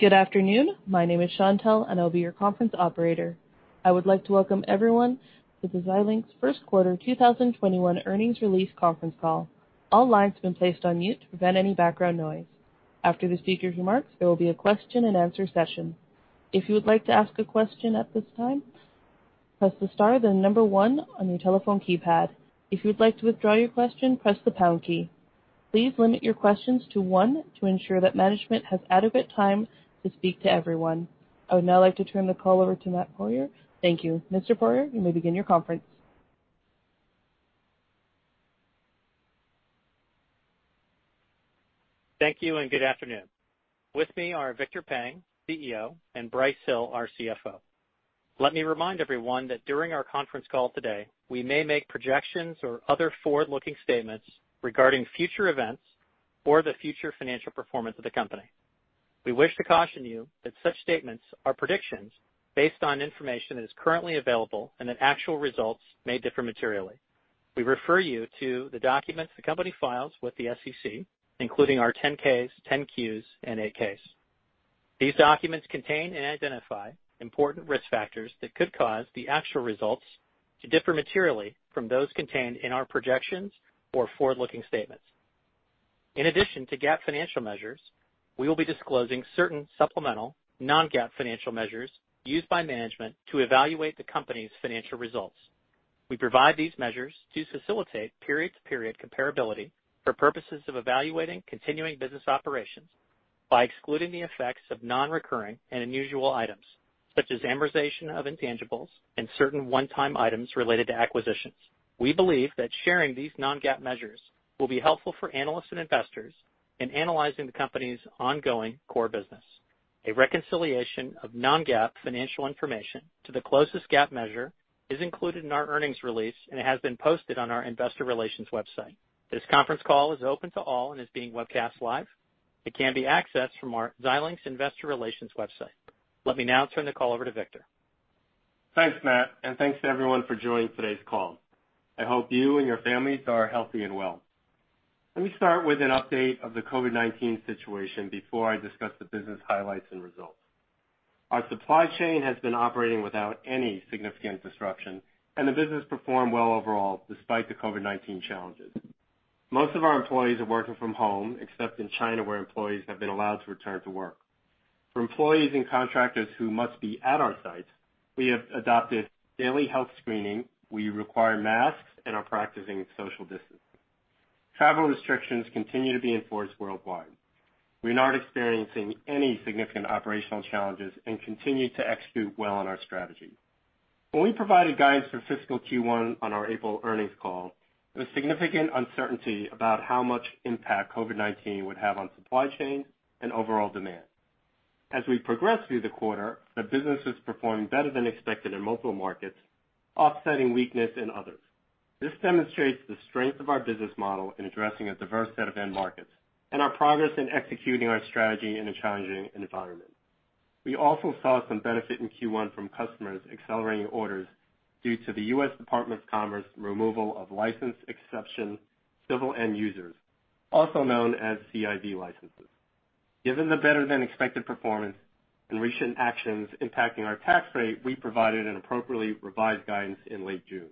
Good afternoon. My name is Chantelle, and I'll be your conference operator. I would like to welcome everyone to the Xilinx first quarter 2021 earnings release conference call. All lines have been placed on mute to prevent any background noise. After the speaker's remarks, there will be a question-and-answer session. If you would like to ask a question at this time, press the star, then number one on your telephone keypad. If you would like to withdraw your question, press the pound key. Please limit your questions to one to ensure that management has adequate time to speak to everyone. I would now like to turn the call over to Matt Poirier. Thank you. Mr. Poirier, you may begin your conference. Thank you. Good afternoon. With me are Victor Peng, CEO, and Brice Hill, our CFO. Let me remind everyone that during our conference call today, we may make projections or other forward-looking statements regarding future events or the future financial performance of the company. We wish to caution you that such statements are predictions based on information that is currently available and that actual results may differ materially. We refer you to the documents the company files with the SEC, including our 10-Ks, 10-Qs, and 8-Ks. These documents contain and identify important risk factors that could cause the actual results to differ materially from those contained in our projections or forward-looking statements. In addition to GAAP financial measures, we will be disclosing certain supplemental non-GAAP financial measures used by management to evaluate the company's financial results. We provide these measures to facilitate period-to-period comparability for purposes of evaluating continuing business operations by excluding the effects of non-recurring and unusual items, such as amortization of intangibles and certain one-time items related to acquisitions. We believe that sharing these non-GAAP measures will be helpful for analysts and investors in analyzing the company's ongoing core business. A reconciliation of non-GAAP financial information to the closest GAAP measure is included in our earnings release and it has been posted on our investor relations website. This conference call is open to all and is being webcast live. It can be accessed from our Xilinx investor relations website. Let me now turn the call over to Victor. Thanks, Matt, and thanks to everyone for joining today's call. I hope you and your families are healthy and well. Let me start with an update of the COVID-19 situation before I discuss the business highlights and results. Our supply chain has been operating without any significant disruption, and the business performed well overall despite the COVID-19 challenges. Most of our employees are working from home, except in China, where employees have been allowed to return to work. For employees and contractors who must be at our sites, we have adopted daily health screening. We require masks and are practicing social distancing. Travel restrictions continue to be enforced worldwide. We are not experiencing any significant operational challenges and continue to execute well on our strategy. When we provided guidance for fiscal Q1 on our April earnings call, there was significant uncertainty about how much impact COVID-19 would have on supply chains and overall demand. As we progress through the quarter, the business is performing better than expected in multiple markets, offsetting weakness in others. This demonstrates the strength of our business model in addressing a diverse set of end markets and our progress in executing our strategy in a challenging environment. We also saw some benefit in Q1 from customers accelerating orders due to the U.S. Department of Commerce removal of license exception civil end users, also known as CIV licenses. Given the better-than-expected performance and recent actions impacting our tax rate, we provided an appropriately revised guidance in late June.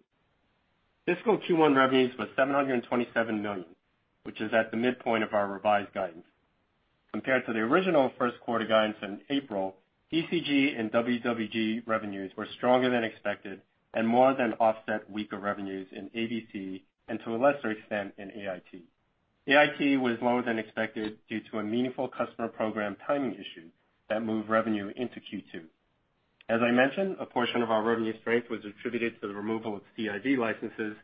Fiscal Q1 revenues was $727 million, which is at the midpoint of our revised guidance. Compared to the original first quarter guidance in April, DCG and WWG revenues were stronger than expected and more than offset weaker revenues in ABC, and to a lesser extent, in AIT. AIT was lower than expected due to a meaningful customer program timing issue that moved revenue into Q2. As I mentioned, a portion of our revenue strength was attributed to the removal of CIV licenses,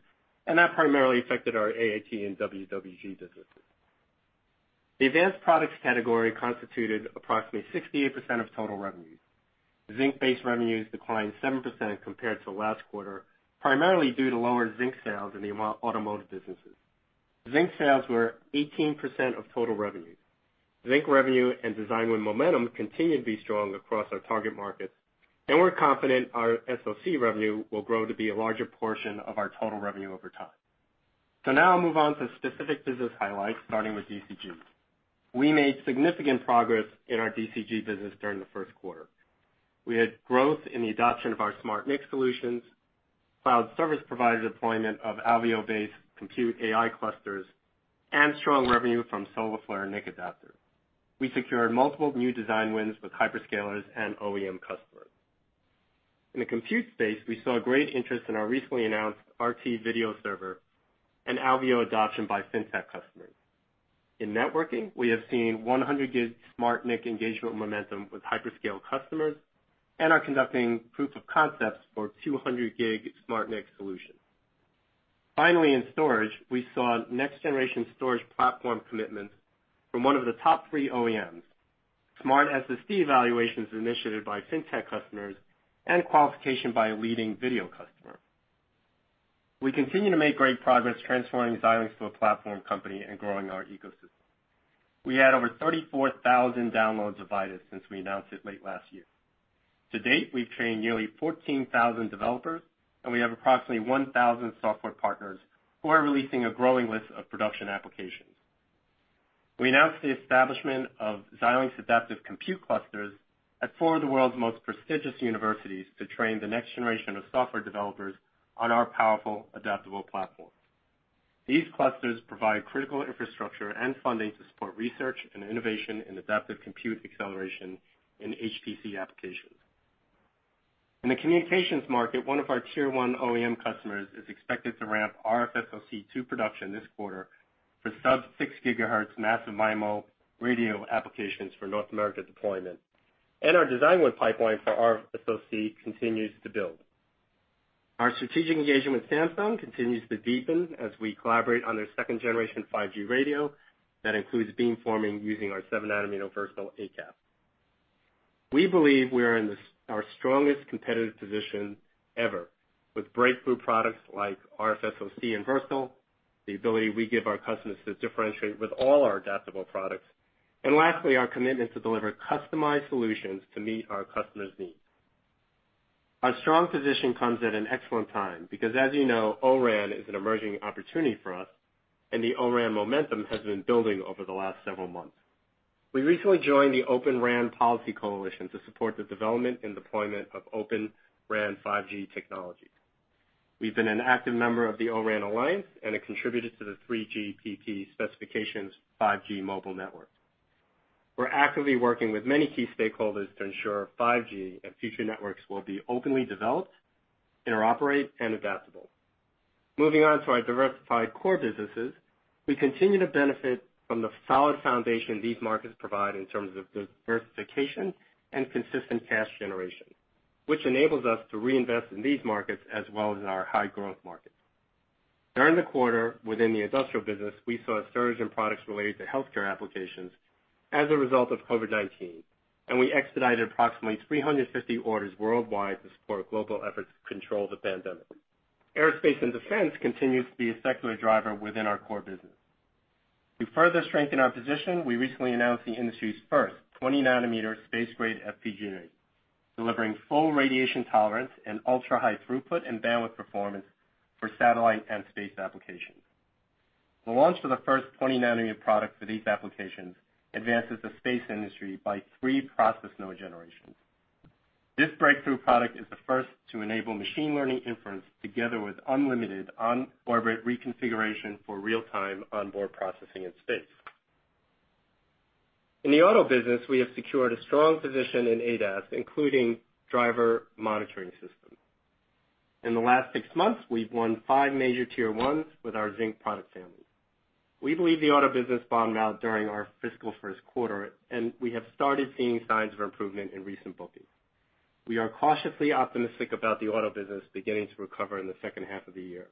and that primarily affected our AIT and WWG businesses. The advanced products category constituted approximately 68% of total revenues. Zynq-based revenues declined 7% compared to last quarter, primarily due to lower Zynq sales in the automotive businesses. Zynq sales were 18% of total revenues. Zynq revenue and design win momentum continue to be strong across our target markets, and we're confident our SoC revenue will grow to be a larger portion of our total revenue over time. Now I'll move on to specific business highlights, starting with DCG. We made significant progress in our DCG business during the first quarter. We had growth in the adoption of our SmartNIC solutions, cloud service provider deployment of Alveo-based compute AI clusters, and strong revenue from Solarflare NIC adapter. We secured multiple new design wins with hyperscalers and OEM customers. In the compute space, we saw great interest in our recently announced RT video server and Alveo adoption by fintech customers. In networking, we have seen 100G SmartNIC engagement momentum with hyperscale customers and are conducting proof of concepts for 200G SmartNIC solutions. Finally, in storage, we saw next generation storage platform commitments from one of the top three OEMs, SmartSSD evaluations initiated by fintech customers, and qualification by a leading video customer. We continue to make great progress transforming Xilinx to a platform company and growing our ecosystem. We had over 34,000 downloads of Vitis since we announced it late last year. To date, we've trained nearly 14,000 developers, and we have approximately 1,000 software partners who are releasing a growing list of production applications. We announced the establishment of Xilinx Adaptive Compute Clusters at four of the world's most prestigious universities to train the next generation of software developers on our powerful, adaptable platform. These clusters provide critical infrastructure and funding to support research and innovation in adaptive compute acceleration in HPC applications. In the communications market, one of our Tier 1 OEM customers is expected to ramp RFSoC to production this quarter for sub-6 GHz massive MIMO radio applications for North America deployment. Our design win pipeline for RFSoC continues to build. Our strategic engagement with Samsung continues to deepen as we collaborate on their second generation 5G radio that includes beamforming using our seven nanometer Versal ACAP. We believe we are in our strongest competitive position ever with breakthrough products like RFSoC and Versal, the ability we give our customers to differentiate with all our adaptable products, and lastly, our commitment to deliver customized solutions to meet our customers' needs. Our strong position comes at an excellent time because as you know, O-RAN is an emerging opportunity for us and the O-RAN momentum has been building over the last several months. We recently joined the Open RAN Policy Coalition to support the development and deployment of Open RAN 5G technology. We've been an active member of the O-RAN Alliance and a contributor to the 3GPP specifications 5G mobile network. We're actively working with many key stakeholders to ensure 5G and future networks will be openly developed, interoperate, and adaptable. Moving on to our diversified core businesses. We continue to benefit from the solid foundation these markets provide in terms of diversification and consistent cash generation, which enables us to reinvest in these markets as well as our high growth markets. During the quarter within the industrial business, we saw a surge in products related to healthcare applications as a result of COVID-19, and we expedited approximately 350 orders worldwide to support global efforts to control the pandemic. Aerospace and Defense continues to be a secular driver within our core business. To further strengthen our position, we recently announced the industry's first 20 nanometer space grade FPGA, delivering full radiation tolerance and ultra-high throughput and bandwidth performance for satellite and space applications. The launch of the first 20 nanometer product for these applications advances the space industry by three process node generations. This breakthrough product is the first to enable machine learning inference together with unlimited on-orbit reconfiguration for real-time onboard processing in space. In the auto business, we have secured a strong position in ADAS, including driver monitoring systems. In the last six months, we've won five major Tier 1s with our Zynq product family. We believe the auto business bottomed out during our fiscal first quarter, and we have started seeing signs of improvement in recent bookings. We are cautiously optimistic about the auto business beginning to recover in the second half of the year.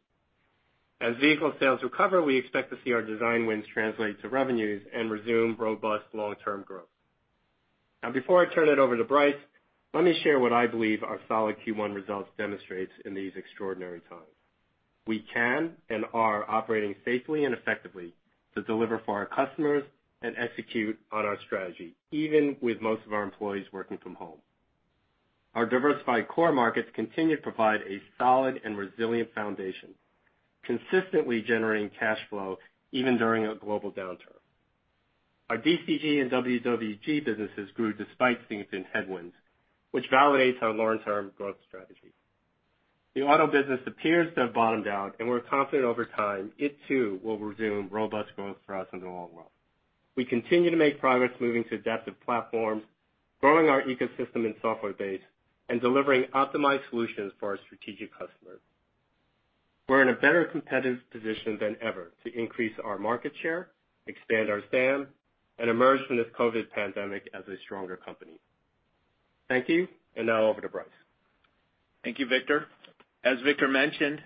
As vehicle sales recover, we expect to see our design wins translate to revenues and resume robust long-term growth. Now before I turn it over to Brice, let me share what I believe our solid Q1 results demonstrates in these extraordinary times. We can and are operating safely and effectively to deliver for our customers and execute on our strategy, even with most of our employees working from home. Our diversified core markets continue to provide a solid and resilient foundation, consistently generating cash flow even during a global downturn. Our DCG and WWG businesses grew despite significant headwinds, which validates our long-term growth strategy. The auto business appears to have bottomed out, and we're confident over time it too will resume robust growth for us in the long run. We continue to make progress moving to adaptive platforms, growing our ecosystem and software base, and delivering optimized solutions for our strategic customers. We're in a better competitive position than ever to increase our market share, expand our TAM, and emerge from this COVID pandemic as a stronger company. Thank you, and now over to Brice. Thank you, Victor. As Victor mentioned,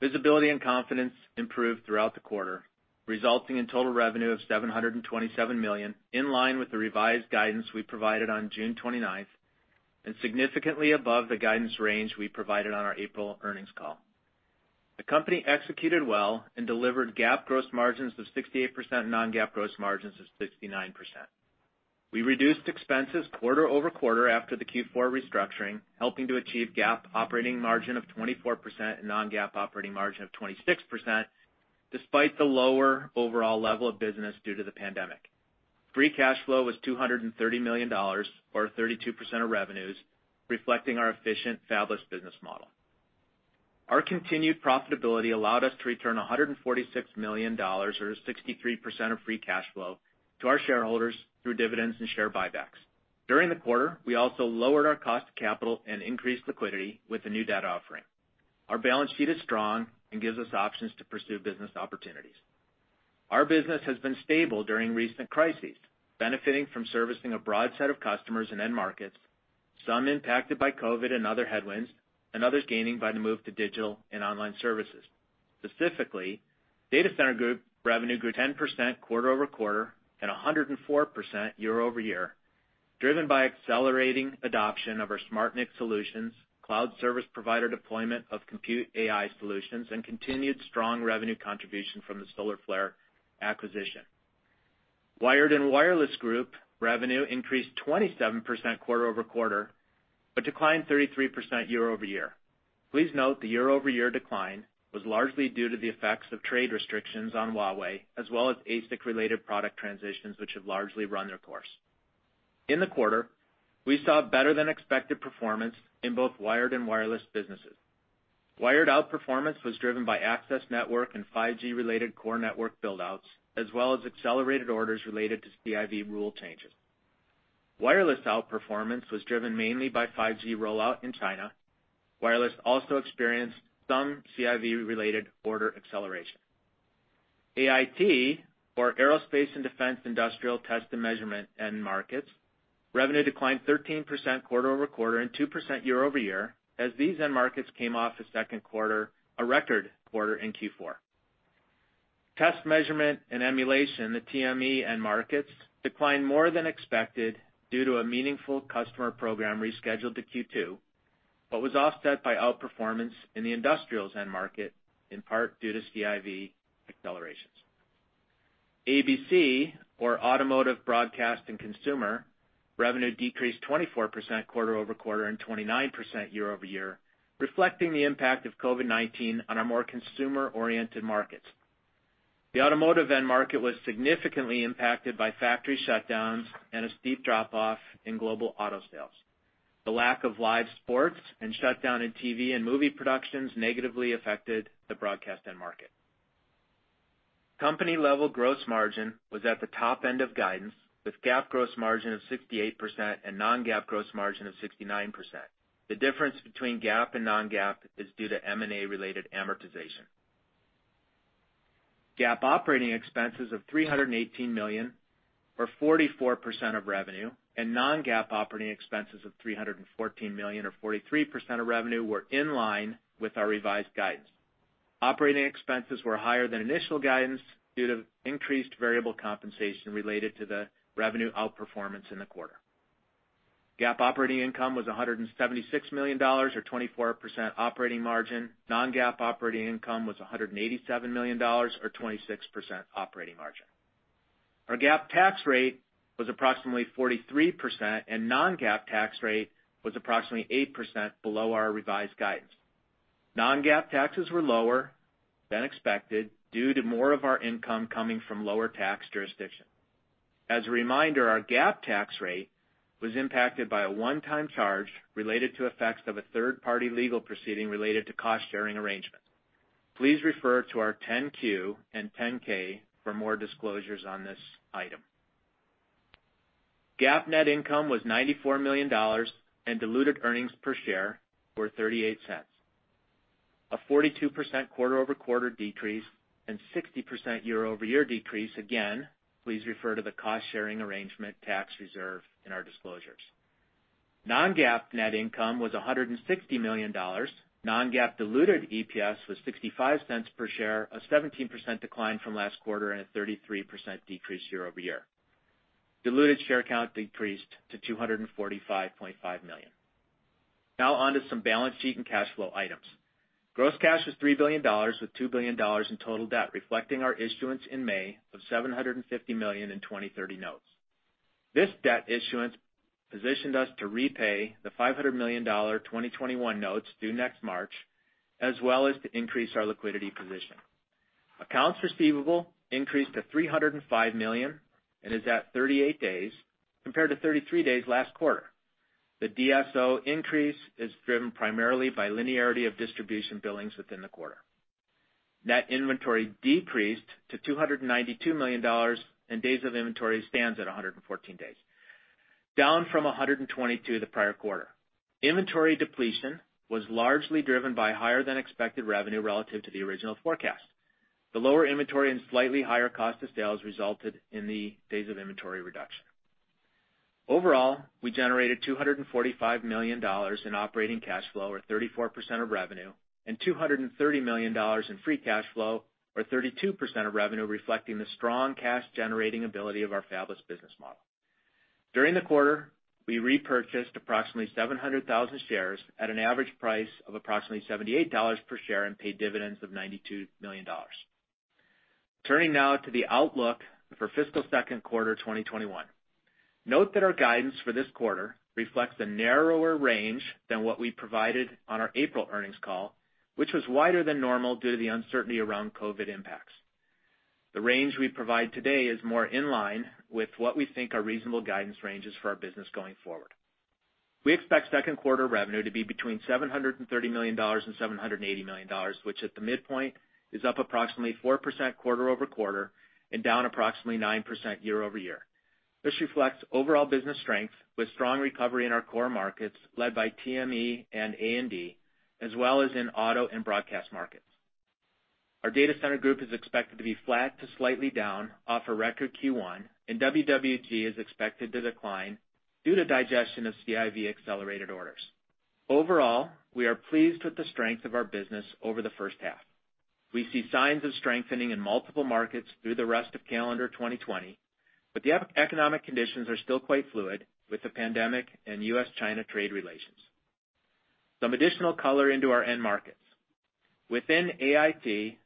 visibility and confidence improved throughout the quarter, resulting in total revenue of $727 million, in line with the revised guidance we provided on June 29th, and significantly above the guidance range we provided on our April earnings call. The company executed well and delivered GAAP gross margins of 68% and non-GAAP gross margins of 69%. We reduced expenses quarter-over-quarter after the Q4 restructuring, helping to achieve GAAP operating margin of 24% and non-GAAP operating margin of 26%, despite the lower overall level of business due to the pandemic. Free cash flow was $230 million or 32% of revenues, reflecting our efficient fabless business model. Our continued profitability allowed us to return $146 million or 63% of free cash flow to our shareholders through dividends and share buybacks. During the quarter, we also lowered our cost of capital and increased liquidity with a new debt offering. Our balance sheet is strong and gives us options to pursue business opportunities. Our business has been stable during recent crises, benefiting from servicing a broad set of customers and end markets, some impacted by COVID and other headwinds, and others gaining by the move to digital and online services. Specifically, Data Center Group revenue grew 10% quarter-over-quarter and 104% year-over-year, driven by accelerating adoption of our SmartNIC solutions, cloud service provider deployment of compute AI solutions, and continued strong revenue contribution from the Solarflare acquisition. Wired and Wireless Group revenue increased 27% quarter-over-quarter, but declined 33% year-over-year. Please note the year-over-year decline was largely due to the effects of trade restrictions on Huawei, as well as ASIC related product transitions which have largely run their course. In the quarter, we saw better than expected performance in both wired and wireless businesses. Wired outperformance was driven by access network and 5G related core network buildouts, as well as accelerated orders related to CIV rule changes. Wireless outperformance was driven mainly by 5G rollout in China. Wireless also experienced some CIV related order acceleration. AIT, or Aerospace & Defense, Industrial, Test and Measurement end markets, revenue declined 13% quarter-over-quarter and 2% year-over-year, as these end markets came off the second quarter, a record quarter in Q4. Test, Measurement, and Emulation, the TME end markets, declined more than expected due to a meaningful customer program rescheduled to Q2, but was offset by outperformance in the industrials end market, in part due to CIV accelerations. ABC, or Automotive, Broadcast, and Consumer, revenue decreased 24% quarter-over-quarter and 29% year-over-year, reflecting the impact of COVID-19 on our more consumer-oriented markets. The automotive end market was significantly impacted by factory shutdowns and a steep drop-off in global auto sales. The lack of live sports and shutdown in TV and movie productions negatively affected the broadcast end market. Company-level gross margin was at the top end of guidance, with GAAP gross margin of 68% and non-GAAP gross margin of 69%. The difference between GAAP and non-GAAP is due to M&A related amortization. GAAP operating expenses of $318 million, or 44% of revenue, and non-GAAP operating expenses of $314 million, or 43% of revenue, were in line with our revised guidance. Operating expenses were higher than initial guidance due to increased variable compensation related to the revenue outperformance in the quarter. GAAP operating income was $176 million, or 24% operating margin. Non-GAAP operating income was $187 million, or 26% operating margin. Our GAAP tax rate was approximately 43%. Non-GAAP tax rate was approximately 8% below our revised guidance. Non-GAAP taxes were lower than expected due to more of our income coming from lower tax jurisdiction. As a reminder, our GAAP tax rate was impacted by a one-time charge related to effects of a third-party legal proceeding related to cost sharing arrangements. Please refer to our 10-Q and 10-K for more disclosures on this item. GAAP net income was $94 million, and diluted earnings per share were $0.38. A 42% quarter-over-quarter decrease and 60% year-over-year decrease. Please refer to the cost sharing arrangement tax reserve in our disclosures. Non-GAAP net income was $160 million. Non-GAAP diluted EPS was $0.65 per share, a 17% decline from last quarter and a 33% decrease year-over-year. Diluted share count decreased to 245.5 million. On to some balance sheet and cash flow items. Gross cash was $3 billion, with $2 billion in total debt, reflecting our issuance in May of $750 million in 2030 notes. This debt issuance positioned us to repay the $500 million 2021 notes due next March, as well as to increase our liquidity position. Accounts receivable increased to $305 million and is at 38 days, compared to 33 days last quarter. The DSO increase is driven primarily by linearity of distribution billings within the quarter. Net inventory decreased to $292 million, and days of inventory stands at 114 days, down from 122 the prior quarter. Inventory depletion was largely driven by higher than expected revenue relative to the original forecast. The lower inventory and slightly higher cost of sales resulted in the days of inventory reduction. Overall, we generated $245 million in operating cash flow or 34% of revenue, and $230 million in free cash flow or 32% of revenue, reflecting the strong cash generating ability of our fabless business model. During the quarter, we repurchased approximately 700,000 shares at an average price of approximately $78 per share and paid dividends of $92 million. Turning now to the outlook for fiscal second quarter 2021. Note that our guidance for this quarter reflects a narrower range than what we provided on our April earnings call, which was wider than normal due to the uncertainty around COVID impacts. The range we provide today is more in line with what we think are reasonable guidance ranges for our business going forward. We expect second quarter revenue to be between $730 million and $780 million, which at the midpoint is up approximately 4% quarter-over-quarter and down approximately 9% year-over-year. This reflects overall business strength with strong recovery in our core markets led by TME and A&D, as well as in auto and broadcast markets. Our Data Center Group is expected to be flat to slightly down off a record Q1, and WWG is expected to decline due to digestion of CIV accelerated orders. Overall, we are pleased with the strength of our business over the first half. We see signs of strengthening in multiple markets through the rest of calendar 2020, but the economic conditions are still quite fluid with the pandemic and U.S.-China trade relations. Some additional color into our end markets. Within AIT,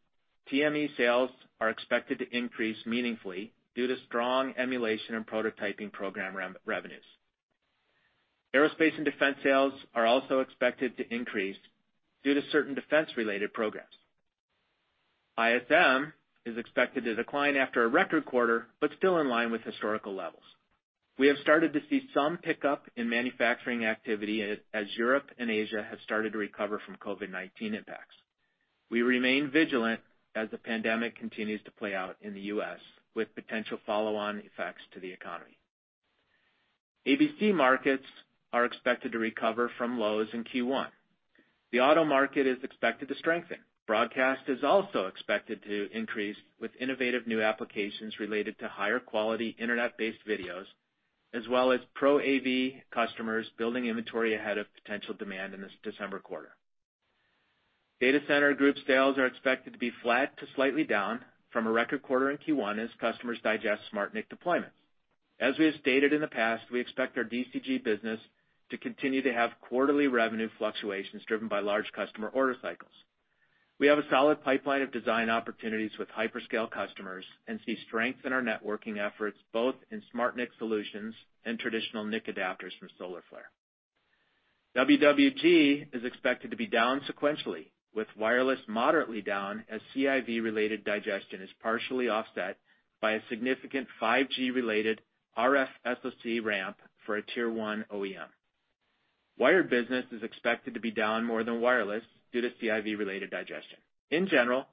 TME sales are expected to increase meaningfully due to strong emulation and prototyping program revenues. Aerospace and defense sales are also expected to increase due to certain defense-related programs. ISM is expected to decline after a record quarter, but still in line with historical levels. We have started to see some pickup in manufacturing activity as Europe and Asia have started to recover from COVID-19 impacts. We remain vigilant as the pandemic continues to play out in the U.S., with potential follow-on effects to the economy. ABC markets are expected to recover from lows in Q1. The auto market is expected to strengthen. Broadcast is also expected to increase with innovative new applications related to higher quality internet-based videos, as well as pro AV customers building inventory ahead of potential demand in the December quarter. Data center group sales are expected to be flat to slightly down from a record quarter in Q1 as customers digest SmartNIC deployments. As we have stated in the past, we expect our DCG business to continue to have quarterly revenue fluctuations driven by large customer order cycles. We have a solid pipeline of design opportunities with hyperscale customers and see strength in our networking efforts both in SmartNIC solutions and traditional NIC adapters from Solarflare. WWG is expected to be down sequentially, with wireless moderately down as CIV-related digestion is partially offset by a significant 5G-related RFSoC ramp for a Tier 1 OEM. Wired business is expected to be down more than wireless due to CIV-related digestion. In general,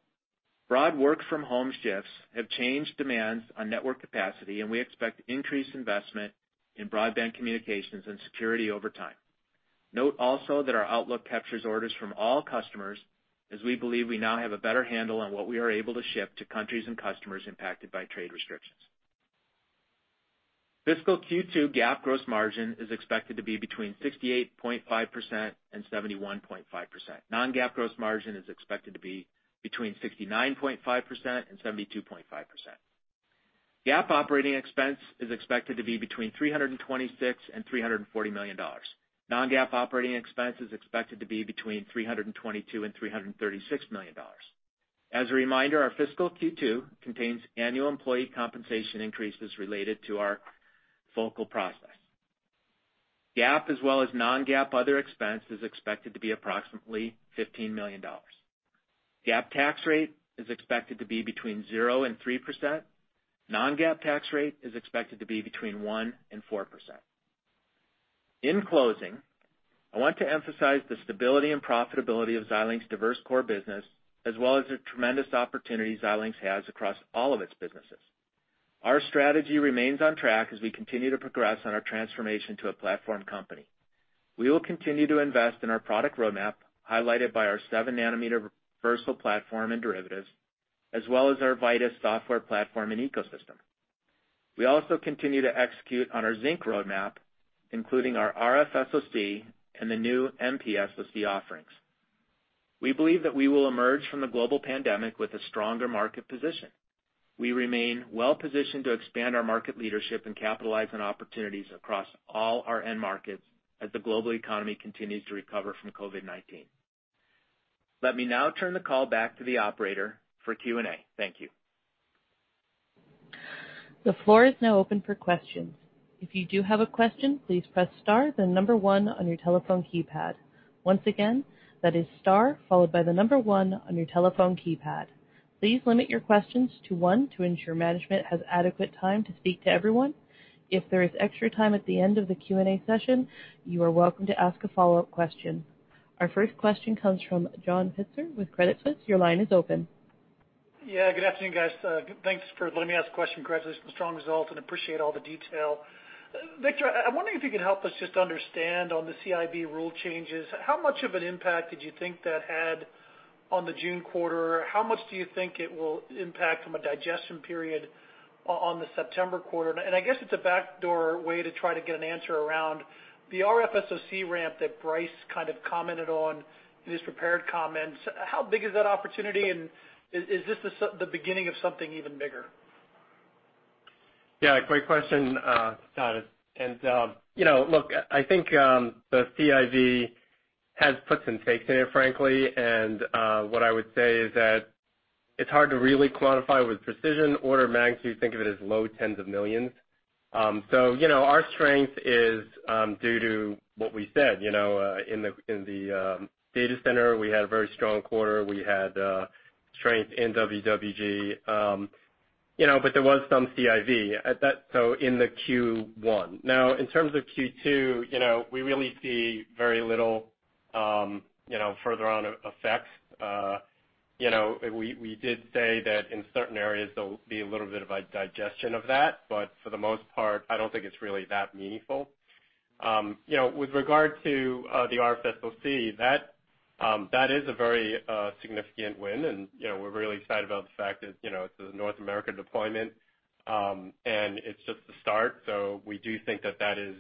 broad work from home shifts have changed demands on network capacity, and we expect increased investment in broadband communications and security over time. Note also that our outlook captures orders from all customers, as we believe we now have a better handle on what we are able to ship to countries and customers impacted by trade restrictions. Fiscal Q2 GAAP gross margin is expected to be between 68.5%-71.5%. Non-GAAP gross margin is expected to be between 69.5%-72.5%. GAAP operating expense is expected to be between $326 million-$340 million. Non-GAAP operating expense is expected to be between $322 million-$336 million. As a reminder, our Fiscal Q2 contains annual employee compensation increases related to our focal process. GAAP as well as non-GAAP other expense is expected to be approximately $15 million. GAAP tax rate is expected to be between 0% and 3%. Non-GAAP tax rate is expected to be between 1% and 4%. In closing, I want to emphasize the stability and profitability of Xilinx diverse core business, as well as the tremendous opportunity Xilinx has across all of its businesses. Our strategy remains on track as we continue to progress on our transformation to a platform company. We will continue to invest in our product roadmap, highlighted by our seven nanometer Versal platform and derivatives, as well as our Vitis software platform and ecosystem. We also continue to execute on our Zynq roadmap, including our RFSoC and the new MPSoC offerings. We believe that we will emerge from the global pandemic with a stronger market position. We remain well-positioned to expand our market leadership and capitalize on opportunities across all our end markets as the global economy continues to recover from COVID-19. Let me now turn the call back to the operator for Q&A. Thank you. The floor is now open for questions. If you do have a question, please press star then number one on your telephone keypad. Once again, that is star followed by the number one on your telephone keypad. Please limit your questions to one, to ensure management has adequate time to speak to everyone. If there is extra time at the end of the Q&A session, you are welcome to ask a follow-up question. Our first question comes from John Pitzer with Credit Suisse. Your line is open. Good afternoon, guys. Thanks for letting me ask a question. Congratulations on the strong results, and appreciate all the detail. Victor, I'm wondering if you could help us just understand on the CIV rule changes, how much of an impact did you think that had on the June quarter? How much do you think it will impact from a digestion period on the September quarter? I guess it's a backdoor way to try to get an answer around the RFSoC ramp that Brice kind of commented on in his prepared comments. How big is that opportunity, and is this the beginning of something even bigger? Great question, John. Look, I think the CIV has puts and takes in it, frankly. What I would say is that it's hard to really quantify with precision order of magnitude. Think of it as low tens of millions. Our strength is due to what we said. In the data center, we had a very strong quarter. We had strength in WWG, but there was some CIV so in the Q1. In terms of Q2, we really see very little further on effects. We did say that in certain areas, there'll be a little bit of a digestion of that. For the most part, I don't think it's really that meaningful. With regard to the RFSoC, that is a very significant win, and we're really excited about the fact that it's a North American deployment. It's just the start. We do think that that is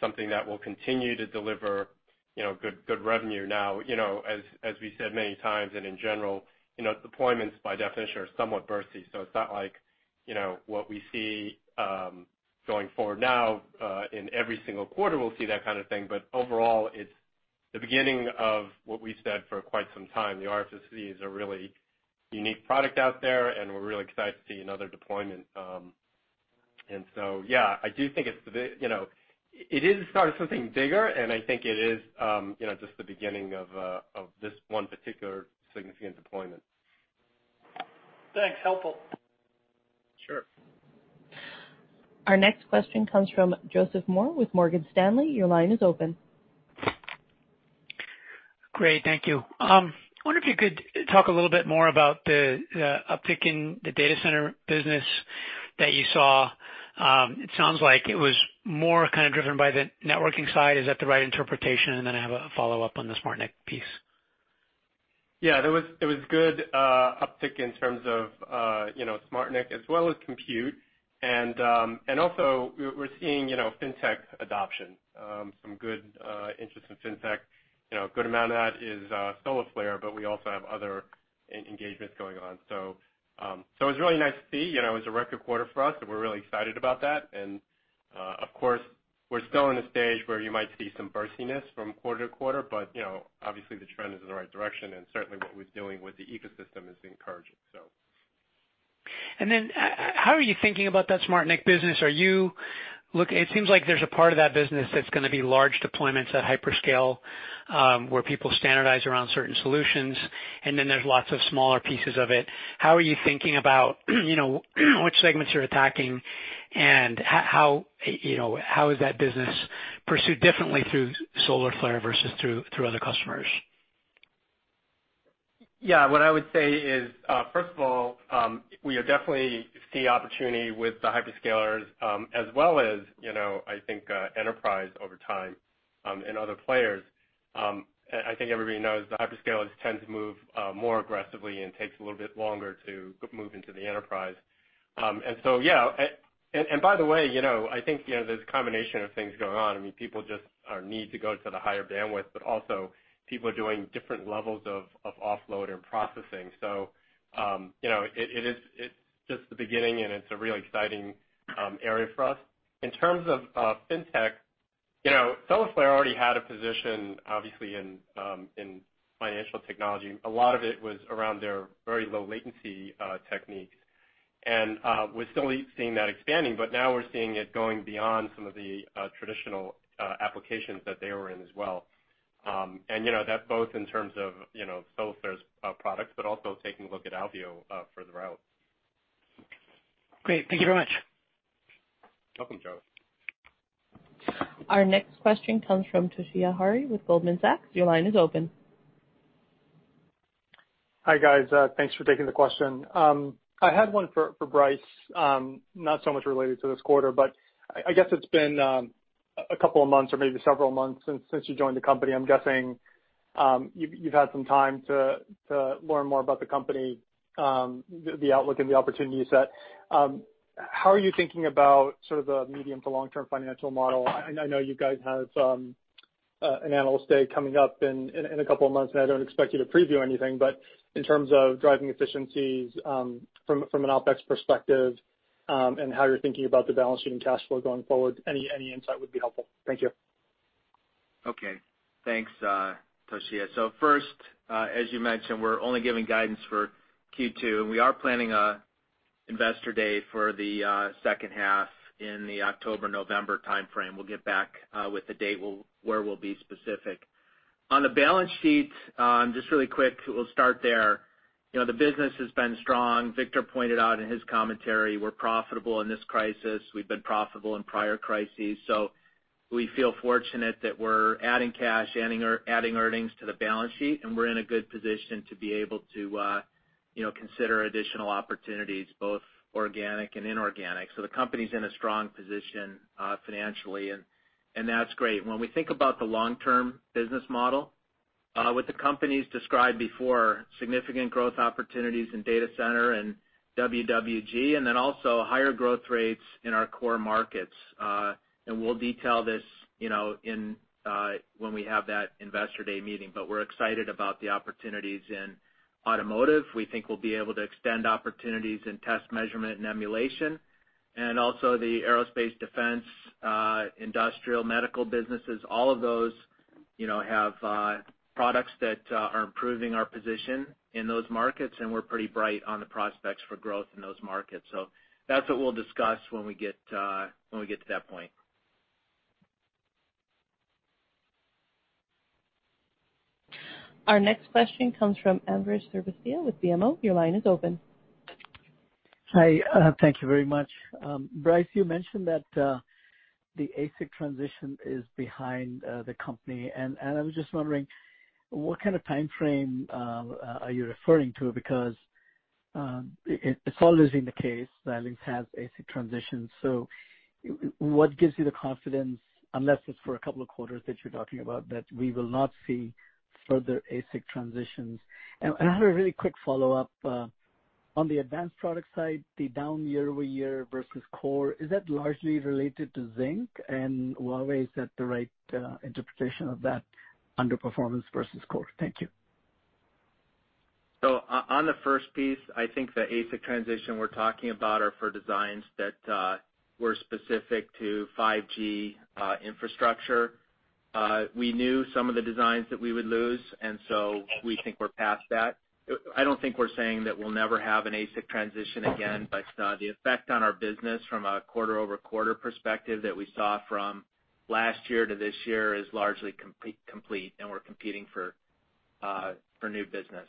something that will continue to deliver good revenue. Now, as we said many times, and in general, deployments by definition are somewhat bursty. You know what we see, going forward now, in every single quarter, we'll see that kind of thing. Overall, it's the beginning of what we've said for quite some time. The RFSoC is a really unique product out there, and we're really excited to see another deployment. Yeah, it is the start of something bigger, and I think it is just the beginning of this one particular significant deployment. Thanks. Helpful. Sure. Our next question comes from Joseph Moore with Morgan Stanley. Your line is open. Great. Thank you. I wonder if you could talk a little bit more about the uptick in the data center business that you saw. It sounds like it was more kind of driven by the networking side. Is that the right interpretation? I have a follow-up on the SmartNIC piece. Yeah, there was good uptick in terms of SmartNIC as well as compute. Also, we're seeing Fintech adoption, some good interest in Fintech. A good amount of that is Solarflare, but we also have other engagements going on. It was really nice to see. It was a record quarter for us, and we're really excited about that. Of course, we're still in a stage where you might see some burstiness from quarter to quarter, but obviously the trend is in the right direction, and certainly what we're doing with the ecosystem is encouraging. How are you thinking about that SmartNIC business? It seems like there's a part of that business that's going to be large deployments at hyperscale, where people standardize around certain solutions, and then there's lots of smaller pieces of it. How are you thinking about which segments you're attacking and how is that business pursued differently through Solarflare versus through other customers? Yeah. What I would say is, first of all, we definitely see opportunity with the hyperscalers, as well as, I think, enterprise over time, and other players. I think everybody knows that hyperscalers tend to move more aggressively and takes a little bit longer to move into the enterprise. Yeah. By the way, I think there's a combination of things going on. I mean, people just need to go to the higher bandwidth, but also people are doing different levels of offload and processing. It's just the beginning, and it's a real exciting area for us. In terms of Fintech, Solarflare already had a position, obviously, in financial technology. A lot of it was around their very low latency techniques. We're still seeing that expanding, but now we're seeing it going beyond some of the traditional applications that they were in as well. That both in terms of Solarflare's products, but also taking a look at Alveo further out. Great. Thank you very much. Welcome, Joe. Our next question comes from Toshiya Hari with Goldman Sachs. Your line is open. Hi, guys. Thanks for taking the question. I had one for Brice, not so much related to this quarter, but I guess it's been a couple of months or maybe several months since you joined the company. I'm guessing, you've had some time to learn more about the company, the outlook and the opportunity set. How are you thinking about sort of the medium to long-term financial model? I know you guys have an analyst day coming up in a couple of months, and I don't expect you to preview anything, but in terms of driving efficiencies, from an OpEx perspective, and how you're thinking about the balance sheet and cash flow going forward, any insight would be helpful. Thank you. Okay. Thanks, Toshiya. First, as you mentioned, we're only giving guidance for Q2, and we are planning a investor day for the second half in the October-November timeframe. We'll get back with the date where we'll be specific. On the balance sheet, just really quick, we'll start there. The business has been strong. Victor pointed out in his commentary, we're profitable in this crisis. We've been profitable in prior crises. We feel fortunate that we're adding cash, adding earnings to the balance sheet, and we're in a good position to be able to consider additional opportunities, both organic and inorganic. The company's in a strong position financially, and that's great. When we think about the long-term business model, what the company's described before, significant growth opportunities in Data Center and WWG, and then also higher growth rates in our core markets. We'll detail this when we have that investor day meeting, but we're excited about the opportunities in automotive. We think we'll be able to extend opportunities in Test, Measurement and Emulation and also the Aerospace Defense, industrial medical businesses. All of those have products that are improving our position in those markets, and we're pretty bright on the prospects for growth in those markets. That's what we'll discuss when we get to that point. Our next question comes from Ambrish Srivastava with BMO. Your line is open. Hi. Thank you very much. Brice, you mentioned that the ASIC transition is behind the company. I was just wondering what kind of timeframe are you referring to? Because it's always been the case that Xilinx has ASIC transitions. What gives you the confidence, unless it's for a couple of quarters that you're talking about, that we will not see further ASIC transitions? I had a really quick follow-up. On the advanced product side, the down year-over-year versus core, is that largely related to Zynq, and Huawei, is that the right interpretation of that underperformance versus core? Thank you. On the first piece, I think the ASIC transition we're talking about are for designs that were specific to 5G infrastructure. We knew some of the designs that we would lose. We think we're past that. I don't think we're saying that we'll never have an ASIC transition again. The effect on our business from a quarter-over-quarter perspective that we saw from last year to this year is largely complete, and we're competing for new business.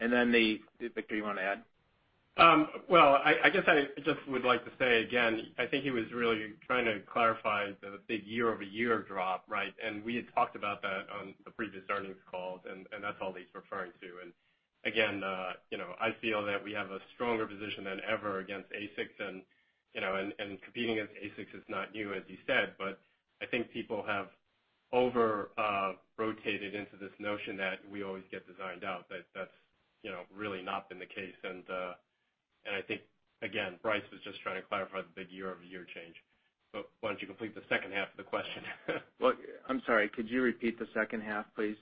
Victor, you want to add? Well, I guess I just would like to say again, I think he was really trying to clarify the big year-over-year drop, right? We had talked about that on the previous earnings call, and that's all he's referring to. Again, I feel that we have a stronger position than ever against ASICs and competing against ASICs is not new, as you said. I think people have over-rotated into this notion that we always get designed out, but that's really not been the case. I think, again, Brice was just trying to clarify the big year-over-year change. Why don't you complete the second half of the question? Well, I'm sorry, could you repeat the second half, please?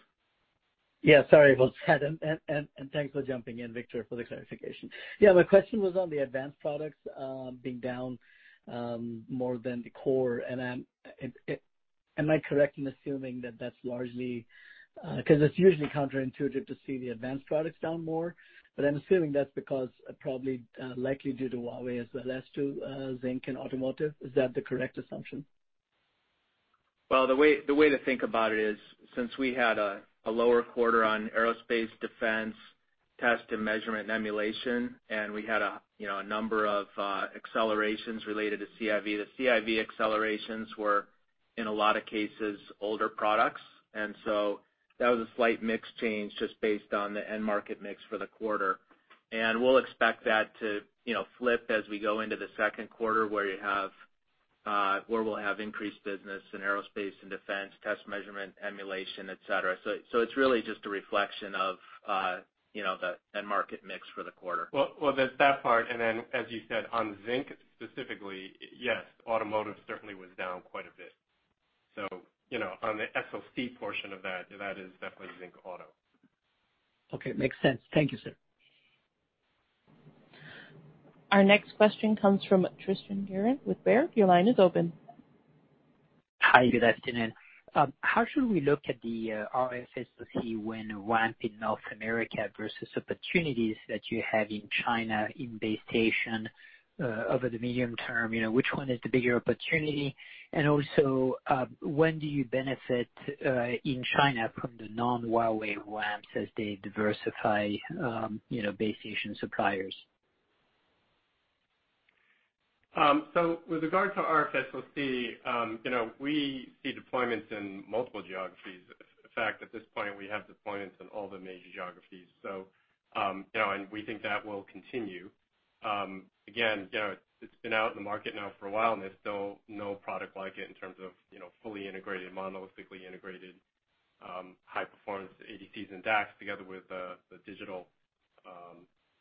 Sorry, folks, thanks for jumping in, Victor, for the clarification. My question was on the advanced products being down more than the core. Am I correct in assuming that that's largely because it's usually counterintuitive to see the advanced products down more, but I'm assuming that's because probably likely due to Huawei as well as to Zynq and automotive. Is that the correct assumption? Well, the way to think about it is, since we had a lower quarter on Aerospace Defense, Test, Measurement, and Emulation, and we had a number of accelerations related to CIV. The CIV accelerations were, in a lot of cases, older products. That was a slight mix change just based on the end market mix for the quarter. We'll expect that to flip as we go into the second quarter, where we'll have increased business in Aerospace and Defense, Test, Measurement, Emulation, et cetera. It's really just a reflection of the end market mix for the quarter. Well, there's that part, and then, as you said, on Zynq specifically, yes, automotive certainly was down quite a bit. On the SoC portion of that is definitely Zynq auto. Okay. Makes sense. Thank you, sir. Our next question comes from Tristan Gerra with Baird. Your line is open. Hi, good afternoon. How should we look at the RFSoC when ramp in North America versus opportunities that you have in China in base station over the medium term? Which one is the bigger opportunity? When do you benefit in China from the non-Huawei ramps as they diversify base station suppliers? With regard to RFSoC, we see deployments in multiple geographies. In fact, at this point, we have deployments in all the major geographies. We think that will continue. Again, it's been out in the market now for a while, and there's still no product like it in terms of fully integrated, monolithically integrated high-performance ADCs and DACs together with the digital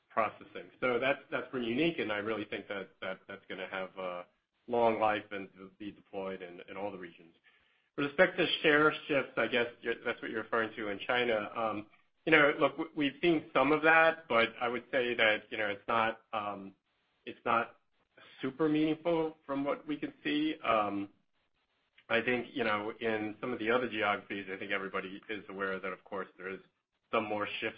processing. That's pretty unique, and I really think that's going to have a long life and be deployed in all the regions. With respect to share shifts, I guess that's what you're referring to in China. Look, we've seen some of that, but I would say that it's not super meaningful from what we can see. I think in some of the other geographies, I think everybody is aware that, of course, there is some more shifts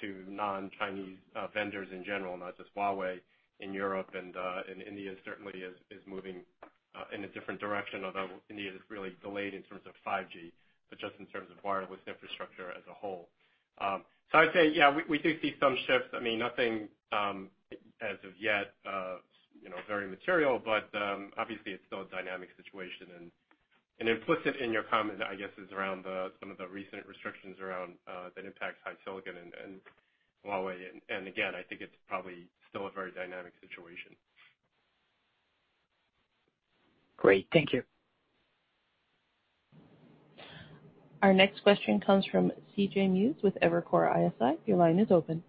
to non-Chinese vendors in general, not just Huawei in Europe and India certainly is moving in a different direction, although India is really delayed in terms of 5G, but just in terms of wireless infrastructure as a whole. I'd say, yeah, we do see some shifts. Nothing as of yet very material, but obviously it's still a dynamic situation. Implicit in your comment, I guess, is around some of the recent restrictions around that impacts HiSilicon and Huawei. Again, I think it's probably still a very dynamic situation. Great. Thank you. Our next question comes from C.J. Muse with Evercore ISI. Your line is open.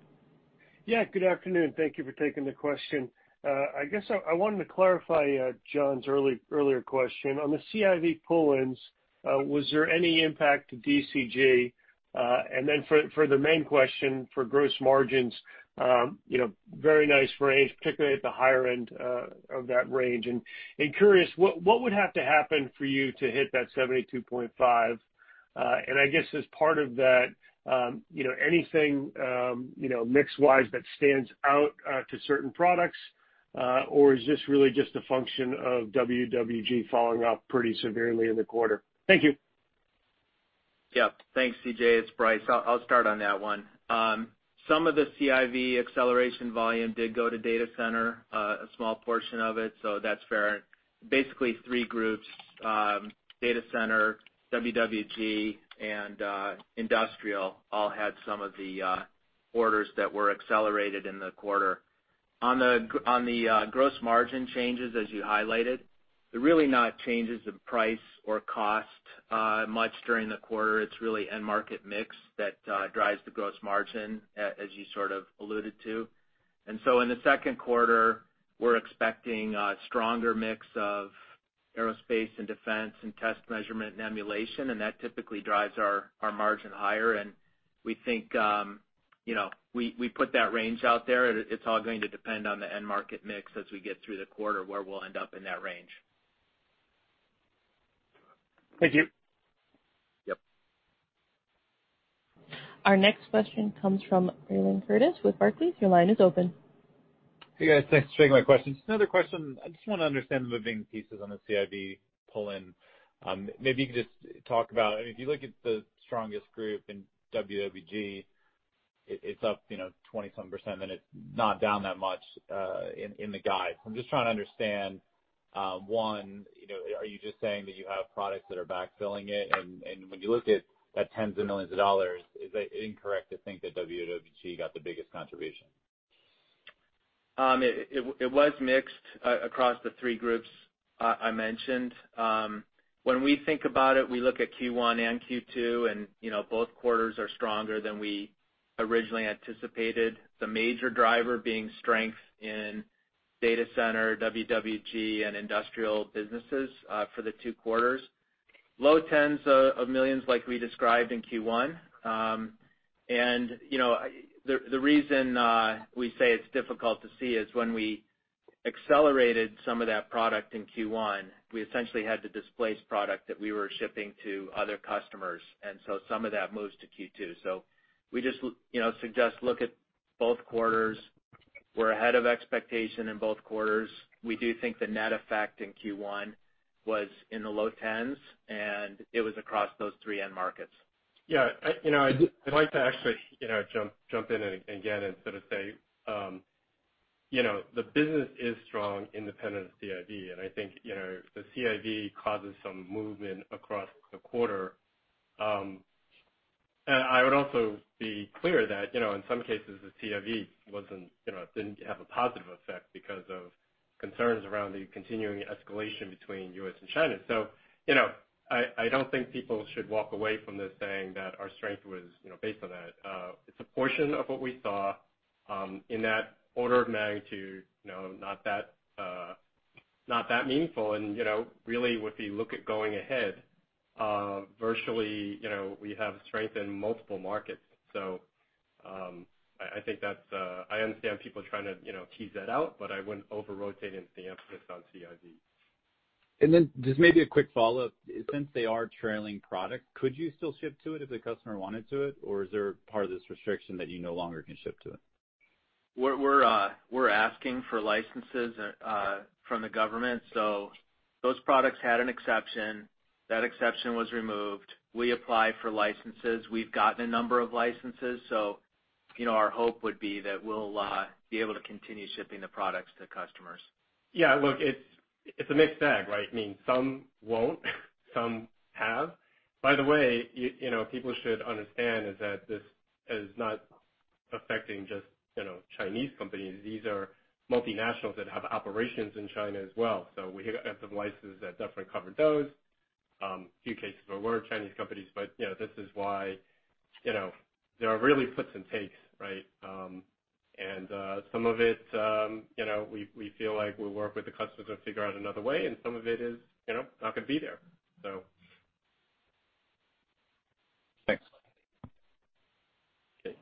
Yeah, good afternoon. Thank you for taking the question. I guess I wanted to clarify John's earlier question. On the CIV pull-ins, was there any impact to DCG? For the main question for gross margins, very nice range, particularly at the higher end of that range. Curious, what would have to happen for you to hit that 72.5%? I guess as part of that anything, mix-wise that stands out to certain products? Is this really just a function of WWG falling off pretty severely in the quarter? Thank you. Thanks, C.J. It's Brice. I'll start on that one. Some of the CIV acceleration volume did go to data center, a small portion of it. That's fair. Basically, three groups, data center, WWG, and industrial all had some of the orders that were accelerated in the quarter. On the gross margin changes as you highlighted, they're really not changes in price or cost much during the quarter. It's really end market mix that drives the gross margin as you sort of alluded to. In the second quarter, we're expecting a stronger mix of Aerospace and Defense and Test, Measurement & Emulation, and that typically drives our margin higher. We put that range out there. It's all going to depend on the end market mix as we get through the quarter where we'll end up in that range. Thank you. Yep. Our next question comes from Blayne Curtis with Barclays. Your line is open. Hey, guys. Thanks for taking my questions. Another question. I just want to understand the moving pieces on the CIV pull-in. Maybe you could just talk about it. If you look at the strongest group in WWG, it's up 20-some%, it's not down that much in the guide. I'm just trying to understand, one, are you just saying that you have products that are backfilling it? When you look at that $10s of millions, is it incorrect to think that WWG got the biggest contribution? It was mixed across the three groups I mentioned. When we think about it, we look at Q1 and Q2, both quarters are stronger than we originally anticipated. The major driver being strength in data center, WWG, and industrial businesses for the two quarters. Low $10s of millions like we described in Q1. The reason we say it's difficult to see is when we accelerated some of that product in Q1, we essentially had to displace product that we were shipping to other customers, some of that moves to Q2. We just suggest look at both quarters. We're ahead of expectation in both quarters. We do think the net effect in Q1 was in the low tens, it was across those three end markets. Yeah. I'd like to actually jump in again and sort of say, the business is strong independent of CIV. I think the CIV causes some movement across the quarter. I would also be clear that, in some cases, the CIV didn't have a positive effect because of concerns around the continuing escalation between U.S. and China. I don't think people should walk away from this saying that our strength was based on that. It's a portion of what we saw in that order of magnitude, not that meaningful. Really, if you look at going ahead, virtually, we have strength in multiple markets. I understand people trying to tease that out, but I wouldn't over-rotate and see emphasis on CIV. Then just maybe a quick follow-up. Since they are trailing product, could you still ship to it if the customer wanted to it, or is there a part of this restriction that you no longer can ship to it? We're asking for licenses from the government. Those products had an exception. That exception was removed. We applied for licenses. We've gotten a number of licenses, so our hope would be that we'll be able to continue shipping the products to customers. Yeah, look, it's a mixed bag, right? I mean, some won't, some have. By the way, people should understand is that this is not affecting just Chinese companies. These are multinationals that have operations in China as well. We have some licenses that definitely cover those. Few cases where we're Chinese companies, this is why there are really puts and takes, right? Some of it, we feel like we'll work with the customers and figure out another way, and some of it is not going to be there. Thanks. Okay.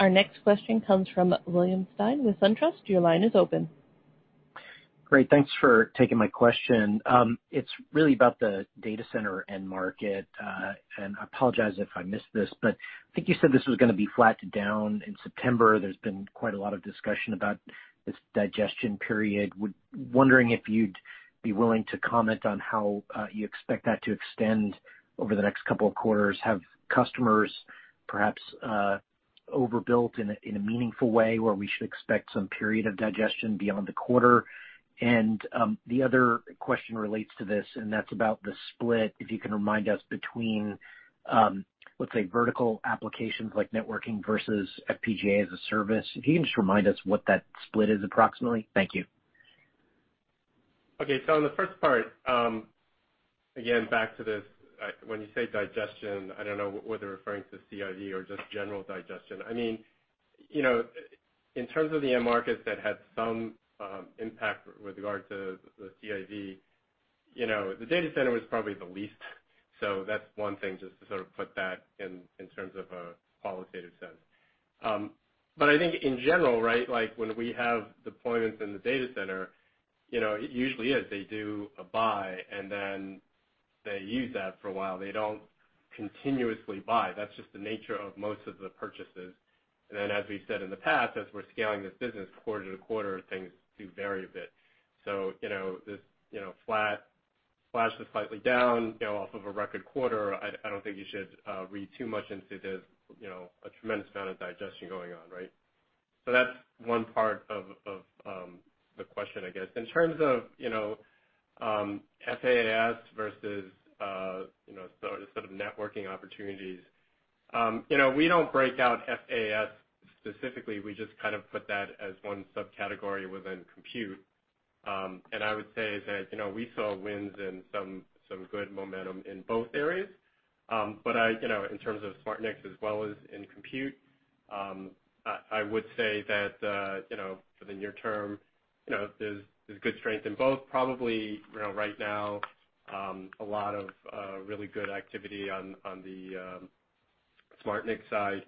Our next question comes from William Stein with SunTrust. Your line is open. Great. Thanks for taking my question. It's really about the data center end market. I apologize if I missed this, but I think you said this was gonna be flat to down in September. There's been quite a lot of discussion about this digestion period. Wondering if you'd be willing to comment on how you expect that to extend over the next couple of quarters. Have customers perhaps overbuilt in a meaningful way where we should expect some period of digestion beyond the quarter? The other question relates to this, and that's about the split, if you can remind us between, let's say, vertical applications like networking versus FPGA-as-a-Service. If you can just remind us what that split is approximately. Thank you. Okay. On the first part, again, back to this, when you say digestion, I don't know whether you're referring to CIV or just general digestion. In terms of the end markets that had some impact with regard to the CIV, the data center was probably the least. That's one thing, just to sort of put that in terms of a qualitative sense. I think in general, right, like when we have deployments in the data center, it usually is they do a buy and then they use that for a while. They don't continuously buy. That's just the nature of most of the purchases. As we said in the past, as we're scaling this business quarter to quarter, things do vary a bit. This flat to slightly down off of a record quarter, I don't think you should read too much into this, a tremendous amount of digestion going on, right? In terms of FaaS versus sort of networking opportunities. We don't break out FaaS specifically. We just kind of put that as one subcategory within compute. I would say is that we saw wins and some good momentum in both areas. In terms of SmartNICs as well as in compute, I would say that for the near term, there's good strength in both. Probably right now, a lot of really good activity on the SmartNIC side.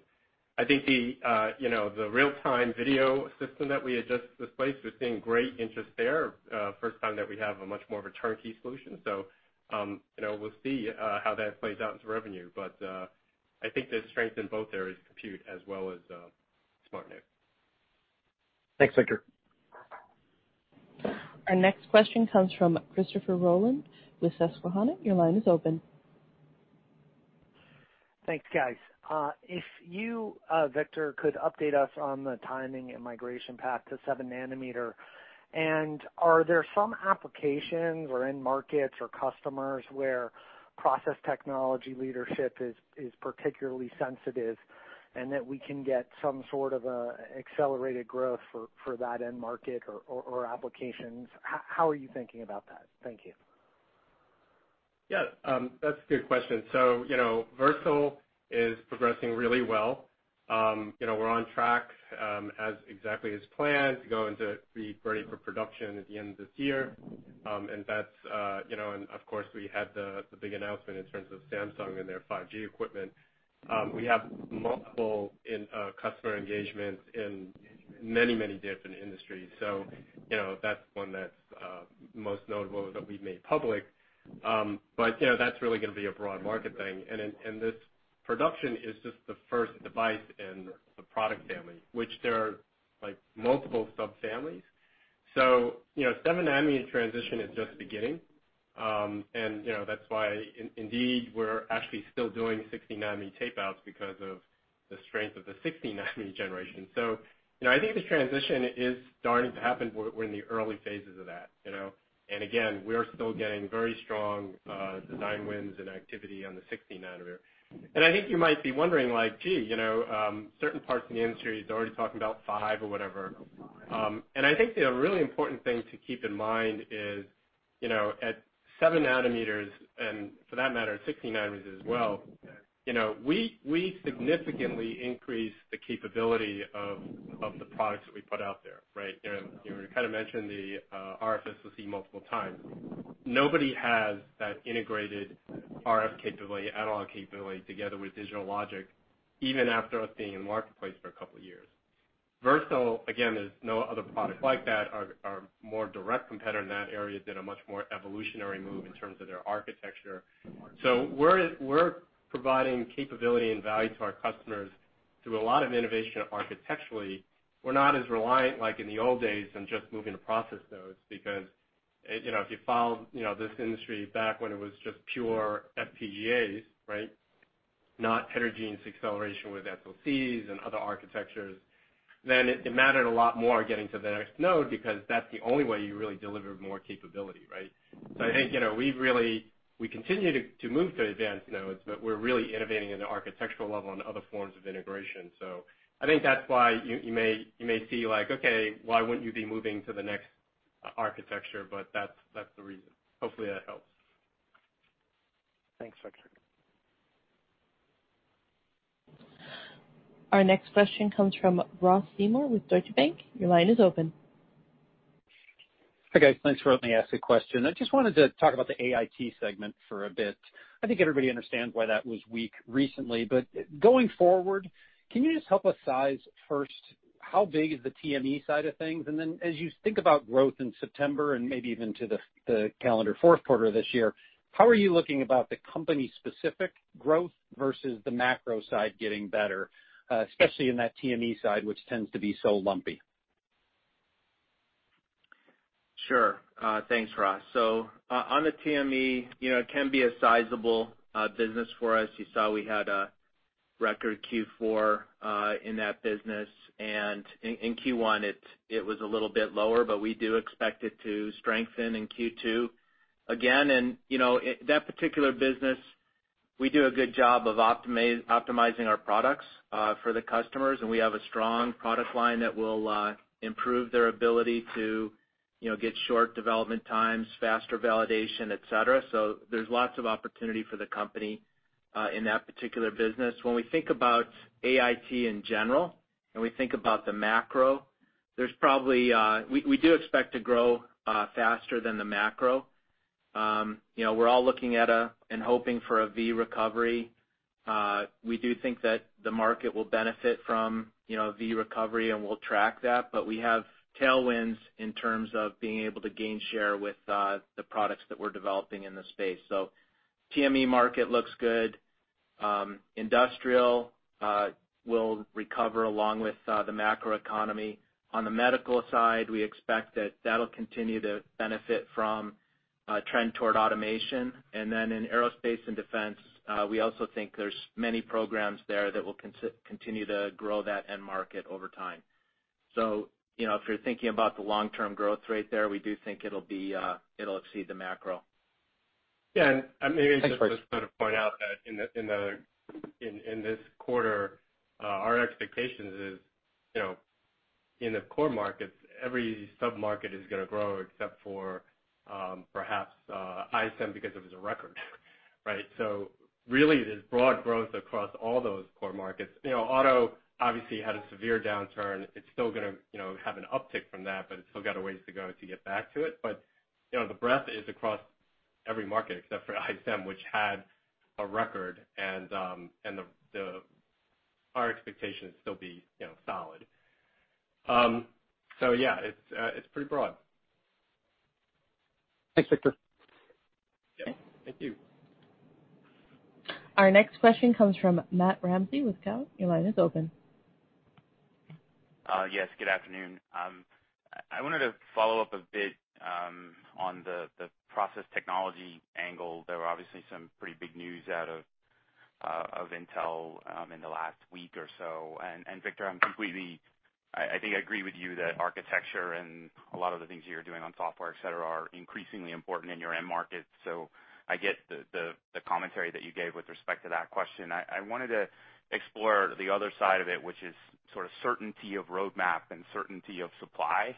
I think the real-time video system that we had just displaced, we're seeing great interest there. First time that we have a much more of a turnkey solution. We'll see how that plays out into revenue. I think there's strength in both areas, compute as well as SmartNIC. Thanks, Victor. Our next question comes from Christopher Rolland with Susquehanna. Your line is open. Thanks, guys. If you, Victor, could update us on the timing and migration path to 7 nanometer. Are there some applications or end markets or customers where process technology leadership is particularly sensitive and that we can get some sort of accelerated growth for that end market or applications? How are you thinking about that? Thank you. Yeah. That's a good question. Versal is progressing really well. We're on track as exactly as planned to go into be ready for production at the end of this year. Of course, we had the big announcement in terms of Samsung and their 5G equipment. We have multiple customer engagements in many different industries. That's one that's most notable that we've made public. That's really going to be a broad market thing. This production is just the first device in the product family, which there are multiple sub-families. 7-nanometer transition is just beginning. That's why indeed, we're actually still doing 16-nanometer tape outs because of the strength of the 16-nanometer generation. I think the transition is starting to happen. We're in the early phases of that. Again, we are still getting very strong design wins and activity on the 16 nanometer. I think you might be wondering, like, gee, certain parts of the industry is already talking about five or whatever. I think the really important thing to keep in mind is at 7 nanometers, and for that matter, 16 nanometers as well, we significantly increased the capability of the products that we put out there, right? We kind of mentioned the RFSoC multiple times. Nobody has that integrated RF capability, analog capability together with digital logic, even after us being in the marketplace for a couple of years. Versal, again, there's no other product like that. Our more direct competitor in that area did a much more evolutionary move in terms of their architecture. We're providing capability and value to our customers through a lot of innovation architecturally. We're not as reliant like in the old days on just moving the process nodes because, if you followed this industry back when it was just pure FPGAs, right? Not heterogeneous acceleration with SoCs and other architectures, then it mattered a lot more getting to the next node because that's the only way you really delivered more capability, right? I think we continue to move to advanced nodes, but we're really innovating in the architectural level and other forms of integration. I think that's why you may see like, okay, why wouldn't you be moving to the next architecture, but that's the reason. Hopefully that helps. Thanks, Victor. Our next question comes from Ross Seymore with Deutsche Bank. Your line is open. Hi, guys. Thanks for letting me ask a question. I just wanted to talk about the AIT segment for a bit. I think everybody understands why that was weak recently. Going forward, can you just help us size first, how big is the TME side of things? As you think about growth in September and maybe even to the calendar fourth quarter this year, how are you looking at the company specific growth versus the macro side getting better, especially in that TME side, which tends to be so lumpy? Sure. Thanks, Ross. On the TME, it can be a sizable business for us. You saw we had a record Q4 in that business, and in Q1 it was a little bit lower, but we do expect it to strengthen in Q2. Again, that particular business, we do a good job of optimizing our products for the customers, and we have a strong product line that will improve their ability to get short development times, faster validation, et cetera. There's lots of opportunity for the company in that particular business. When we think about AIT in general, and we think about the macro, we do expect to grow faster than the macro. We're all looking at and hoping for a V recovery. We do think that the market will benefit from V recovery and we'll track that, but we have tailwinds in terms of being able to gain share with the products that we're developing in the space. TME market looks good. Industrial will recover along with the macroeconomy. On the medical side, we expect that that'll continue to benefit from a trend toward automation. In aerospace and defense, we also think there's many programs there that will continue to grow that end market over time. If you're thinking about the long-term growth rate there, we do think it'll exceed the macro. Yeah, maybe I just want to point out that in this quarter, our expectations in the core markets, every sub-market is going to grow except for perhaps ISM because it was a record. Really, there's broad growth across all those core markets. Auto obviously had a severe downturn. It's still going to have an uptick from that, it's still got a ways to go to get back to it. The breadth is across every market except for ISM, which had a record, and our expectation is it'll be solid. Yeah, it's pretty broad. Thanks, Victor. Yeah. Thank you. Our next question comes from Matt Ramsay with Cowen. Your line is open. Yes, good afternoon. I wanted to follow up a bit on the process technology angle. There were obviously some pretty big news out of Intel in the last week or so. Victor, I think I agree with you that architecture and a lot of the things you're doing on software, et cetera, are increasingly important in your end market. I get the commentary that you gave with respect to that question. I wanted to explore the other side of it, which is sort of certainty of roadmap and certainty of supply,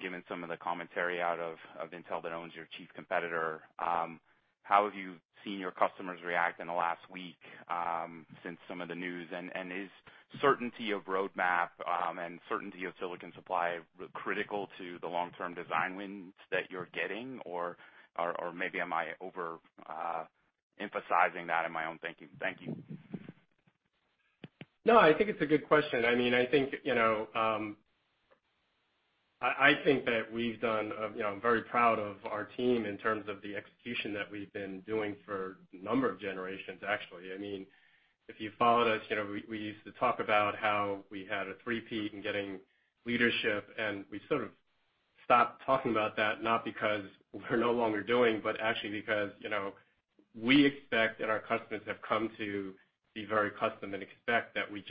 given some of the commentary out of Intel that owns your chief competitor. How have you seen your customers react in the last week, since some of the news? Is certainty of roadmap, and certainty of silicon supply critical to the long-term design wins that you're getting, or maybe am I over-emphasizing that in my own thinking? Thank you. No, I think it's a good question. I'm very proud of our team in terms of the execution that we've been doing for a number of generations, actually. If you followed us, we used to talk about how we had a three-peat in getting leadership, and we sort of stopped talking about that, not because we're no longer doing, but actually because, we expect and our customers have come to be very accustomed and expect that we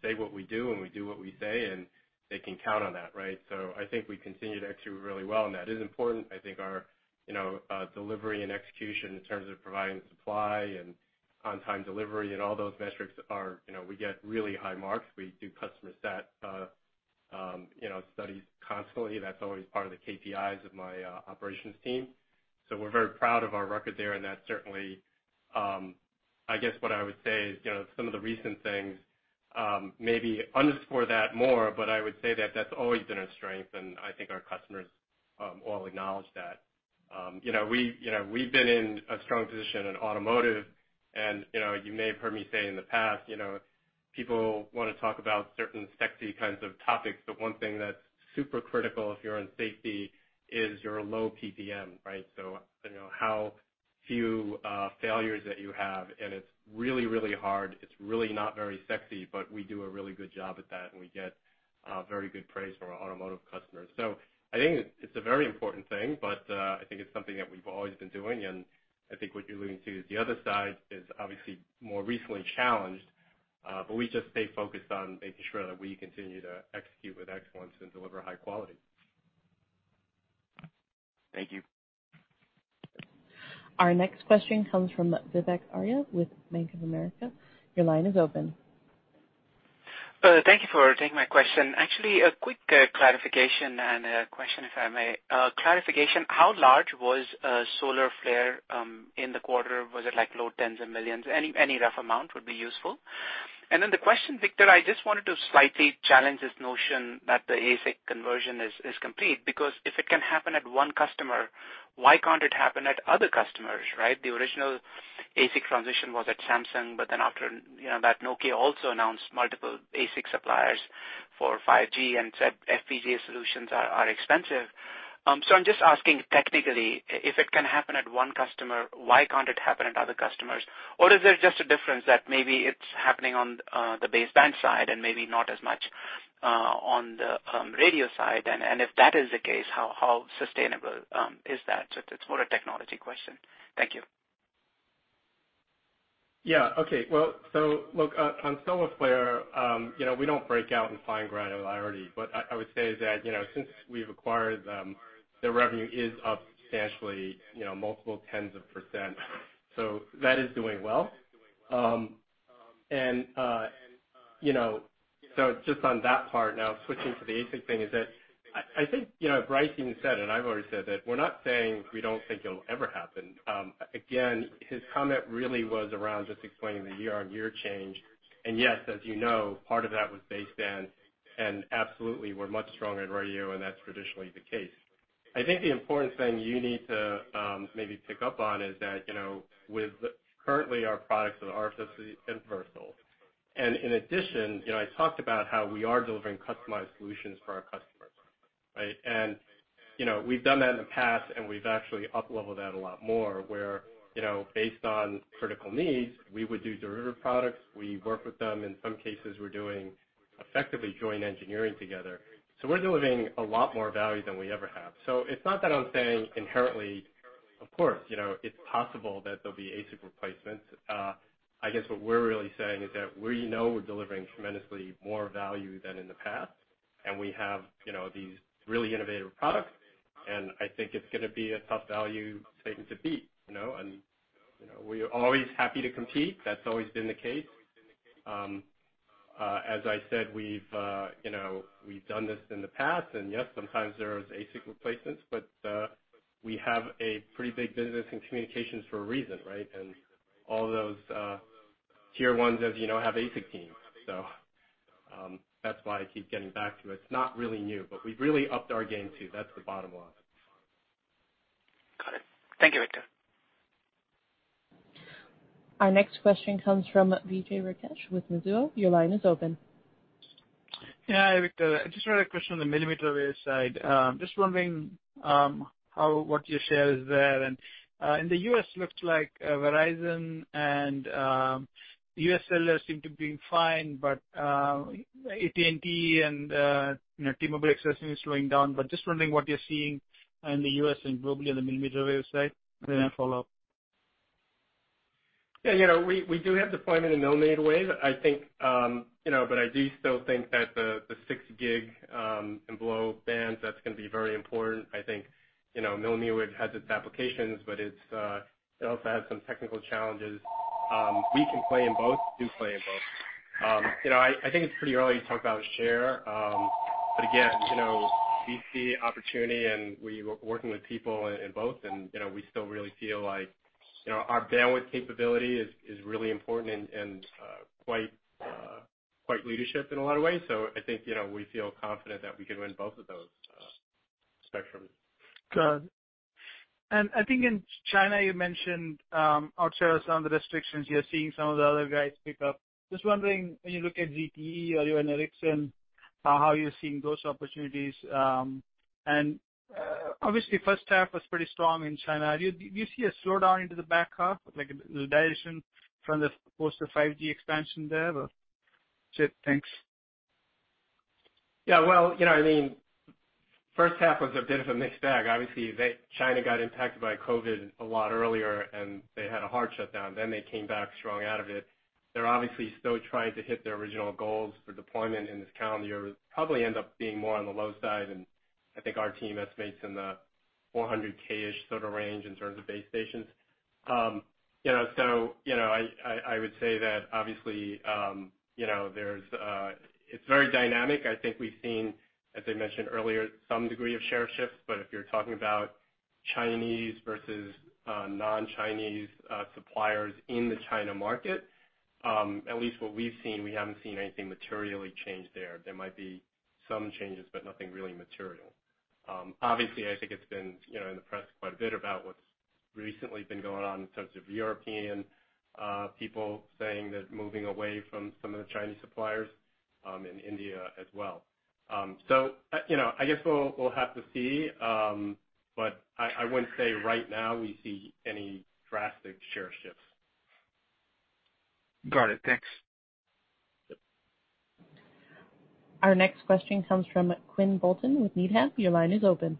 say what we do, and we do what we say, and they can count on that. I think we continue to execute really well, and that is important. I think our delivery and execution in terms of providing the supply and on-time delivery and all those metrics are, we get really high marks. We do customer CSAT studies constantly. That's always part of the KPIs of my operations team. We're very proud of our record there, and that certainly, I guess what I would say is some of the recent things maybe underscore that more, but I would say that that's always been a strength, and I think our customers all acknowledge that. We've been in a strong position in automotive and you may have heard me say in the past, people want to talk about certain sexy kinds of topics, but one thing that's super critical if you're in safety is your low DPPM. How few failures that you have, and it's really hard. It's really not very sexy, but we do a really good job at that, and we get very good praise from our automotive customers. I think it's a very important thing, I think it's something that we've always been doing, I think what you're alluding to is the other side is obviously more recently challenged, we just stay focused on making sure that we continue to execute with excellence and deliver high quality. Thank you. Our next question comes from Vivek Arya with Bank of America. Your line is open. Thank you for taking my question. Actually, a quick clarification and a question, if I may. Clarification, how large was Solarflare in the quarter? Was it like low $10s of millions? Any rough amount would be useful. The question, Victor, I just wanted to slightly challenge this notion that the ASIC conversion is complete, because if it can happen at one customer, why can't it happen at other customers, right? The original ASIC transition was at Samsung, after that Nokia also announced multiple ASIC suppliers for 5G and said FPGA solutions are expensive. I'm just asking technically, if it can happen at one customer, why can't it happen at other customers? Or is there just a difference that maybe it's happening on the baseband side and maybe not as much on the radio side? If that is the case, how sustainable is that? It's more a technology question. Thank you. Yeah. Okay. Well, look, on Solarflare, we don't break out in fine granularity, but I would say is that, since we've acquired them, their revenue is up substantially, multiple 10s of %. That is doing well. Just on that part now switching to the ASIC thing is that I think Brice said, and I've already said that we're not saying we don't think it'll ever happen. Again, his comment really was around just explaining the year-on-year change. Yes, as you know, part of that was baseband and absolutely we're much stronger in radio, and that's traditionally the case. I think the important thing you need to maybe pick up on is that, with currently our products that are FPGA and Versal, and in addition, I talked about how we are delivering customized solutions for our customers, right? We've done that in the past, and we've actually upleveled that a lot more where, based on critical needs, we would do derivative products. We work with them. In some cases, we're doing effectively joint engineering together. We're delivering a lot more value than we ever have. It's not that I'm saying inherently, of course it's possible that there'll be ASIC replacements. I guess what we're really saying is that we know we're delivering tremendously more value than in the past, and we have these really innovative products, and I think it's going to be a tough value thing to beat. We are always happy to compete. That's always been the case. As I said, we've done this in the past, and yes, sometimes there is ASIC replacements, but we have a pretty big business in communications for a reason, right? All those Tier 1s, as you know, have ASIC teams. That's why I keep getting back to it. It's not really new, but we've really upped our game, too. That's the bottom line. Got it. Thank you, Victor. Our next question comes from Vijay Rakesh with Mizuho. Your line is open. Yeah. Hi, Victor. I just had a question on the millimeter wave side. Just wondering, what your share is there. In the U.S., it looks like Verizon and UScellular seem to be fine, but AT&T and T-Mobile access is slowing down. Just wondering what you're seeing in the U.S. and globally on the millimeter wave side. A follow-up. Yeah, we do have deployment in millimeter wave. I do still think that the 6 gig and below bands, that's going to be very important. I think, millimeter wave has its applications, but it also has some technical challenges. We can play in both, do play in both. I think it's pretty early to talk about share. Again, we see opportunity, and we're working with people in both. We still really feel like our bandwidth capability is really important and quite leadership in a lot of ways. I think we feel confident that we can win both of those spectrums. Got it. I think in China, you mentioned out there some of the restrictions you're seeing some of the other guys pick up. Just wondering, when you look at ZTE or even Ericsson, how you're seeing those opportunities. Obviously, first half was pretty strong in China. Do you see a slowdown into the back half, like a dilution from the post of 5G expansion there? That's it. Thanks. First half was a bit of a mixed bag. Obviously, China got impacted by COVID a lot earlier and they had a hard shutdown. They came back strong out of it. They're obviously still trying to hit their original goals for deployment in this calendar year. It'll probably end up being more on the low side, and I think our team estimates in the 400,000-ish sort of range in terms of base stations. I would say that obviously, it's very dynamic. I think we've seen, as I mentioned earlier, some degree of share shifts. If you're talking about Chinese versus non-Chinese suppliers in the China market, at least what we've seen, we haven't seen anything materially change there. There might be some changes, but nothing really material. Obviously, I think it's been in the press quite a bit about what's recently been going on in terms of European people saying they're moving away from some of the Chinese suppliers, in India as well. I guess we'll have to see. I wouldn't say right now we see any drastic share shifts. Got it. Thanks. Yep. Our next question comes from Quinn Bolton with Needham. Your line is open.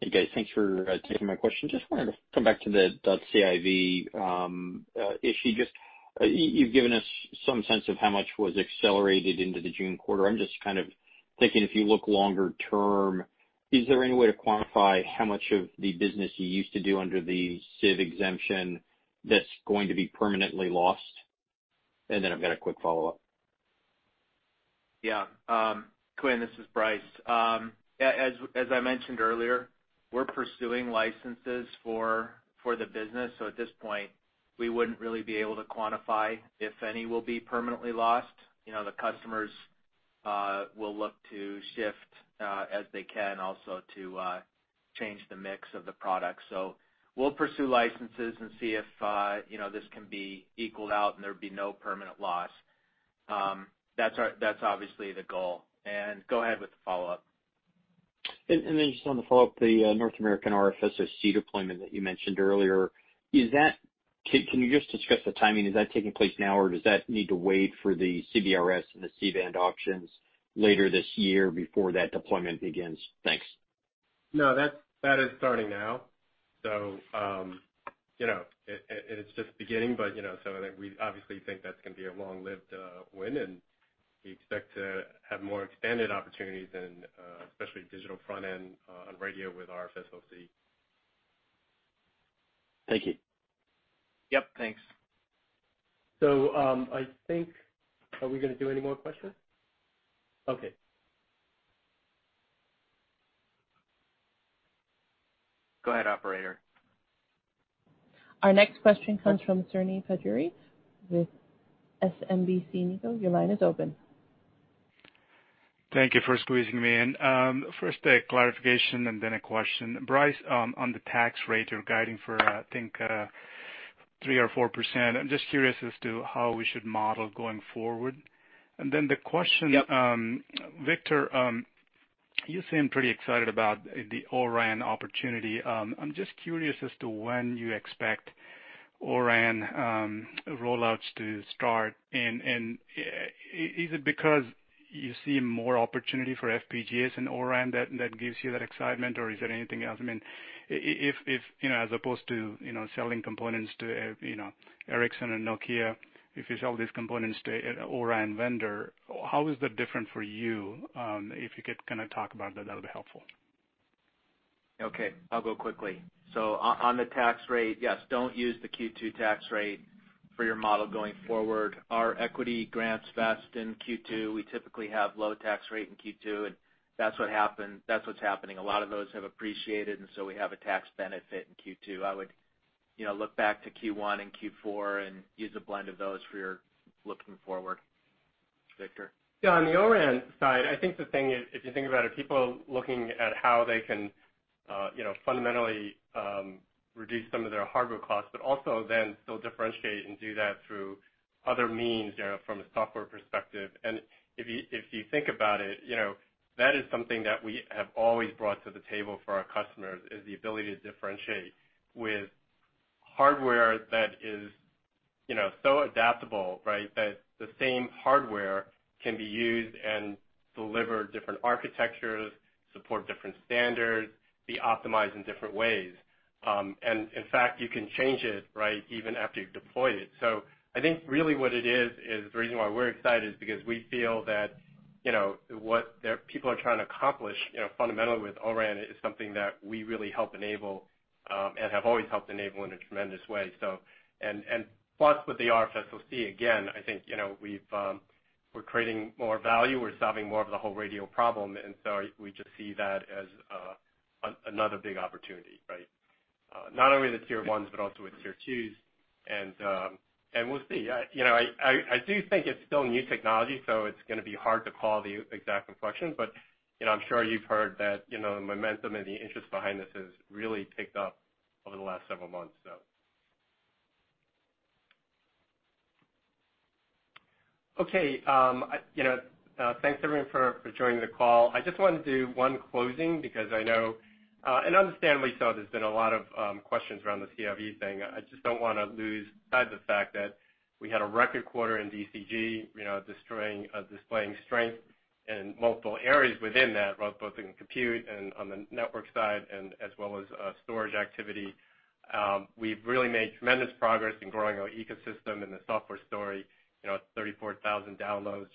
Hey, guys. Thanks for taking my question. Wanted to come back to the CIV issue. You've given us some sense of how much was accelerated into the June quarter. I'm just kind of thinking, if you look longer term, is there any way to quantify how much of the business you used to do under the CIV exemption that's going to be permanently lost? I've got a quick follow-up. Yeah. Quinn, this is Brice. As I mentioned earlier, we're pursuing licenses for the business. At this point, we wouldn't really be able to quantify if any will be permanently lost. The customers will look to shift as they can also to change the mix of the product. We'll pursue licenses and see if this can be equaled out and there'll be no permanent loss. That's obviously the goal. Go ahead with the follow-up. Just on the follow-up, the North American RFSoC deployment that you mentioned earlier, can you just discuss the timing? Is that taking place now, or does that need to wait for the CBRS and the C-band auctions later this year before that deployment begins? Thanks. No, that is starting now. It's just beginning, but we obviously think that's going to be a long-lived win, and we expect to have more expanded opportunities in especially digital front end on radio with RFSoC. Thank you. Yep. Thanks. I think, are we going to do any more questions? Okay. Go ahead, operator. Our next question comes from Srini Pajjuri with SMBC Nikko. Your line is open. Thank you for squeezing me in. First, a clarification and then a question. Brice, on the tax rate you're guiding for, I think 3% or 4%. I'm just curious as to how we should model going forward. Yep. Victor, you seem pretty excited about the O-RAN opportunity. I'm just curious as to when you expect O-RAN rollouts to start. Is it because you see more opportunity for FPGAs in O-RAN that gives you that excitement, or is there anything else? As opposed to selling components to Ericsson and Nokia, if you sell these components to O-RAN vendor, how is that different for you? If you could kind of talk about that'd be helpful. Okay, I'll go quickly. On the tax rate, yes, don't use the Q2 tax rate for your model going forward. Our equity grants vest in Q2. We typically have low tax rate in Q2, and that's what's happening. A lot of those have appreciated, and so we have a tax benefit in Q2. I would look back to Q1 and Q4 and use a blend of those for your looking forward. Victor? Yeah, on the O-RAN side, I think the thing is, if you think about it, people looking at how they can fundamentally reduce some of their hardware costs, but also then still differentiate and do that through other means from a software perspective. If you think about it, that is something that we have always brought to the table for our customers, is the ability to differentiate with hardware that is so adaptable, that the same hardware can be used and deliver different architectures, support different standards, be optimized in different ways. In fact, you can change it even after you've deployed it. I think really what it is the reason why we're excited is because we feel that, what people are trying to accomplish fundamentally with O-RAN is something that we really help enable and have always helped enable in a tremendous way. Plus with the RFSoC, again, I think we're creating more value. We're solving more of the whole radio problem, and so we just see that as another big opportunity. Not only with Tier 1s, but also with Tier 2s, and we'll see. I do think it's still new technology, so it's going to be hard to call the exact inflection, but I'm sure you've heard that the momentum and the interest behind this has really picked up over the last several months. Okay. Thanks, everyone, for joining the call. I just wanted to do one closing because I know, and understandably so, there's been a lot of questions around the CIV thing. I just don't want to lose sight of the fact that we had a record quarter in DCG, displaying strength in multiple areas within that, both in compute and on the network side and as well as storage activity. We've really made tremendous progress in growing our ecosystem and the software story. 40,000 downloads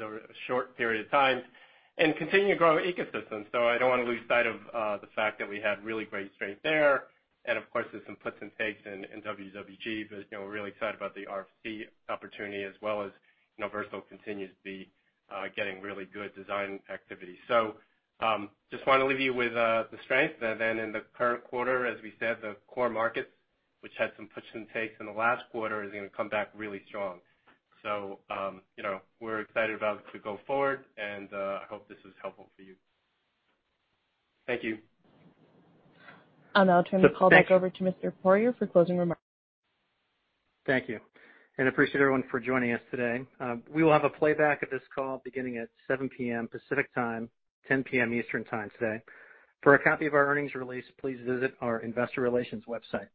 over a short period of time and continuing to grow our ecosystem. I don't want to lose sight of the fact that we had really great strength there. Of course, there's some puts and takes in WWG, but we're really excited about the RFSoC opportunity as well as Versal continues to be getting really good design activity. Just want to leave you with the strength then in the current quarter, as we said, the core markets, which had some puts and takes in the last quarter, is going to come back really strong. We're excited about it to go forward, and I hope this was helpful for you. Thank you. I'll now turn the call back over to Mr. Poirier for closing remarks. Thank you, appreciate everyone for joining us today. We will have a playback of this call beginning at 7:00 P.M. Pacific Time, 10:00 P.M. Eastern Time today. For a copy of our earnings release, please visit our investor relations website.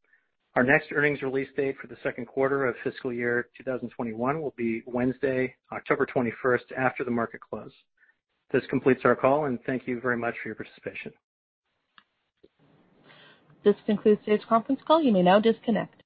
Our next earnings release date for the second quarter of fiscal year 2021 will be Wednesday, October 21st, after the market close. This completes our call, thank you very much for your participation. This concludes today's conference call. You may now disconnect.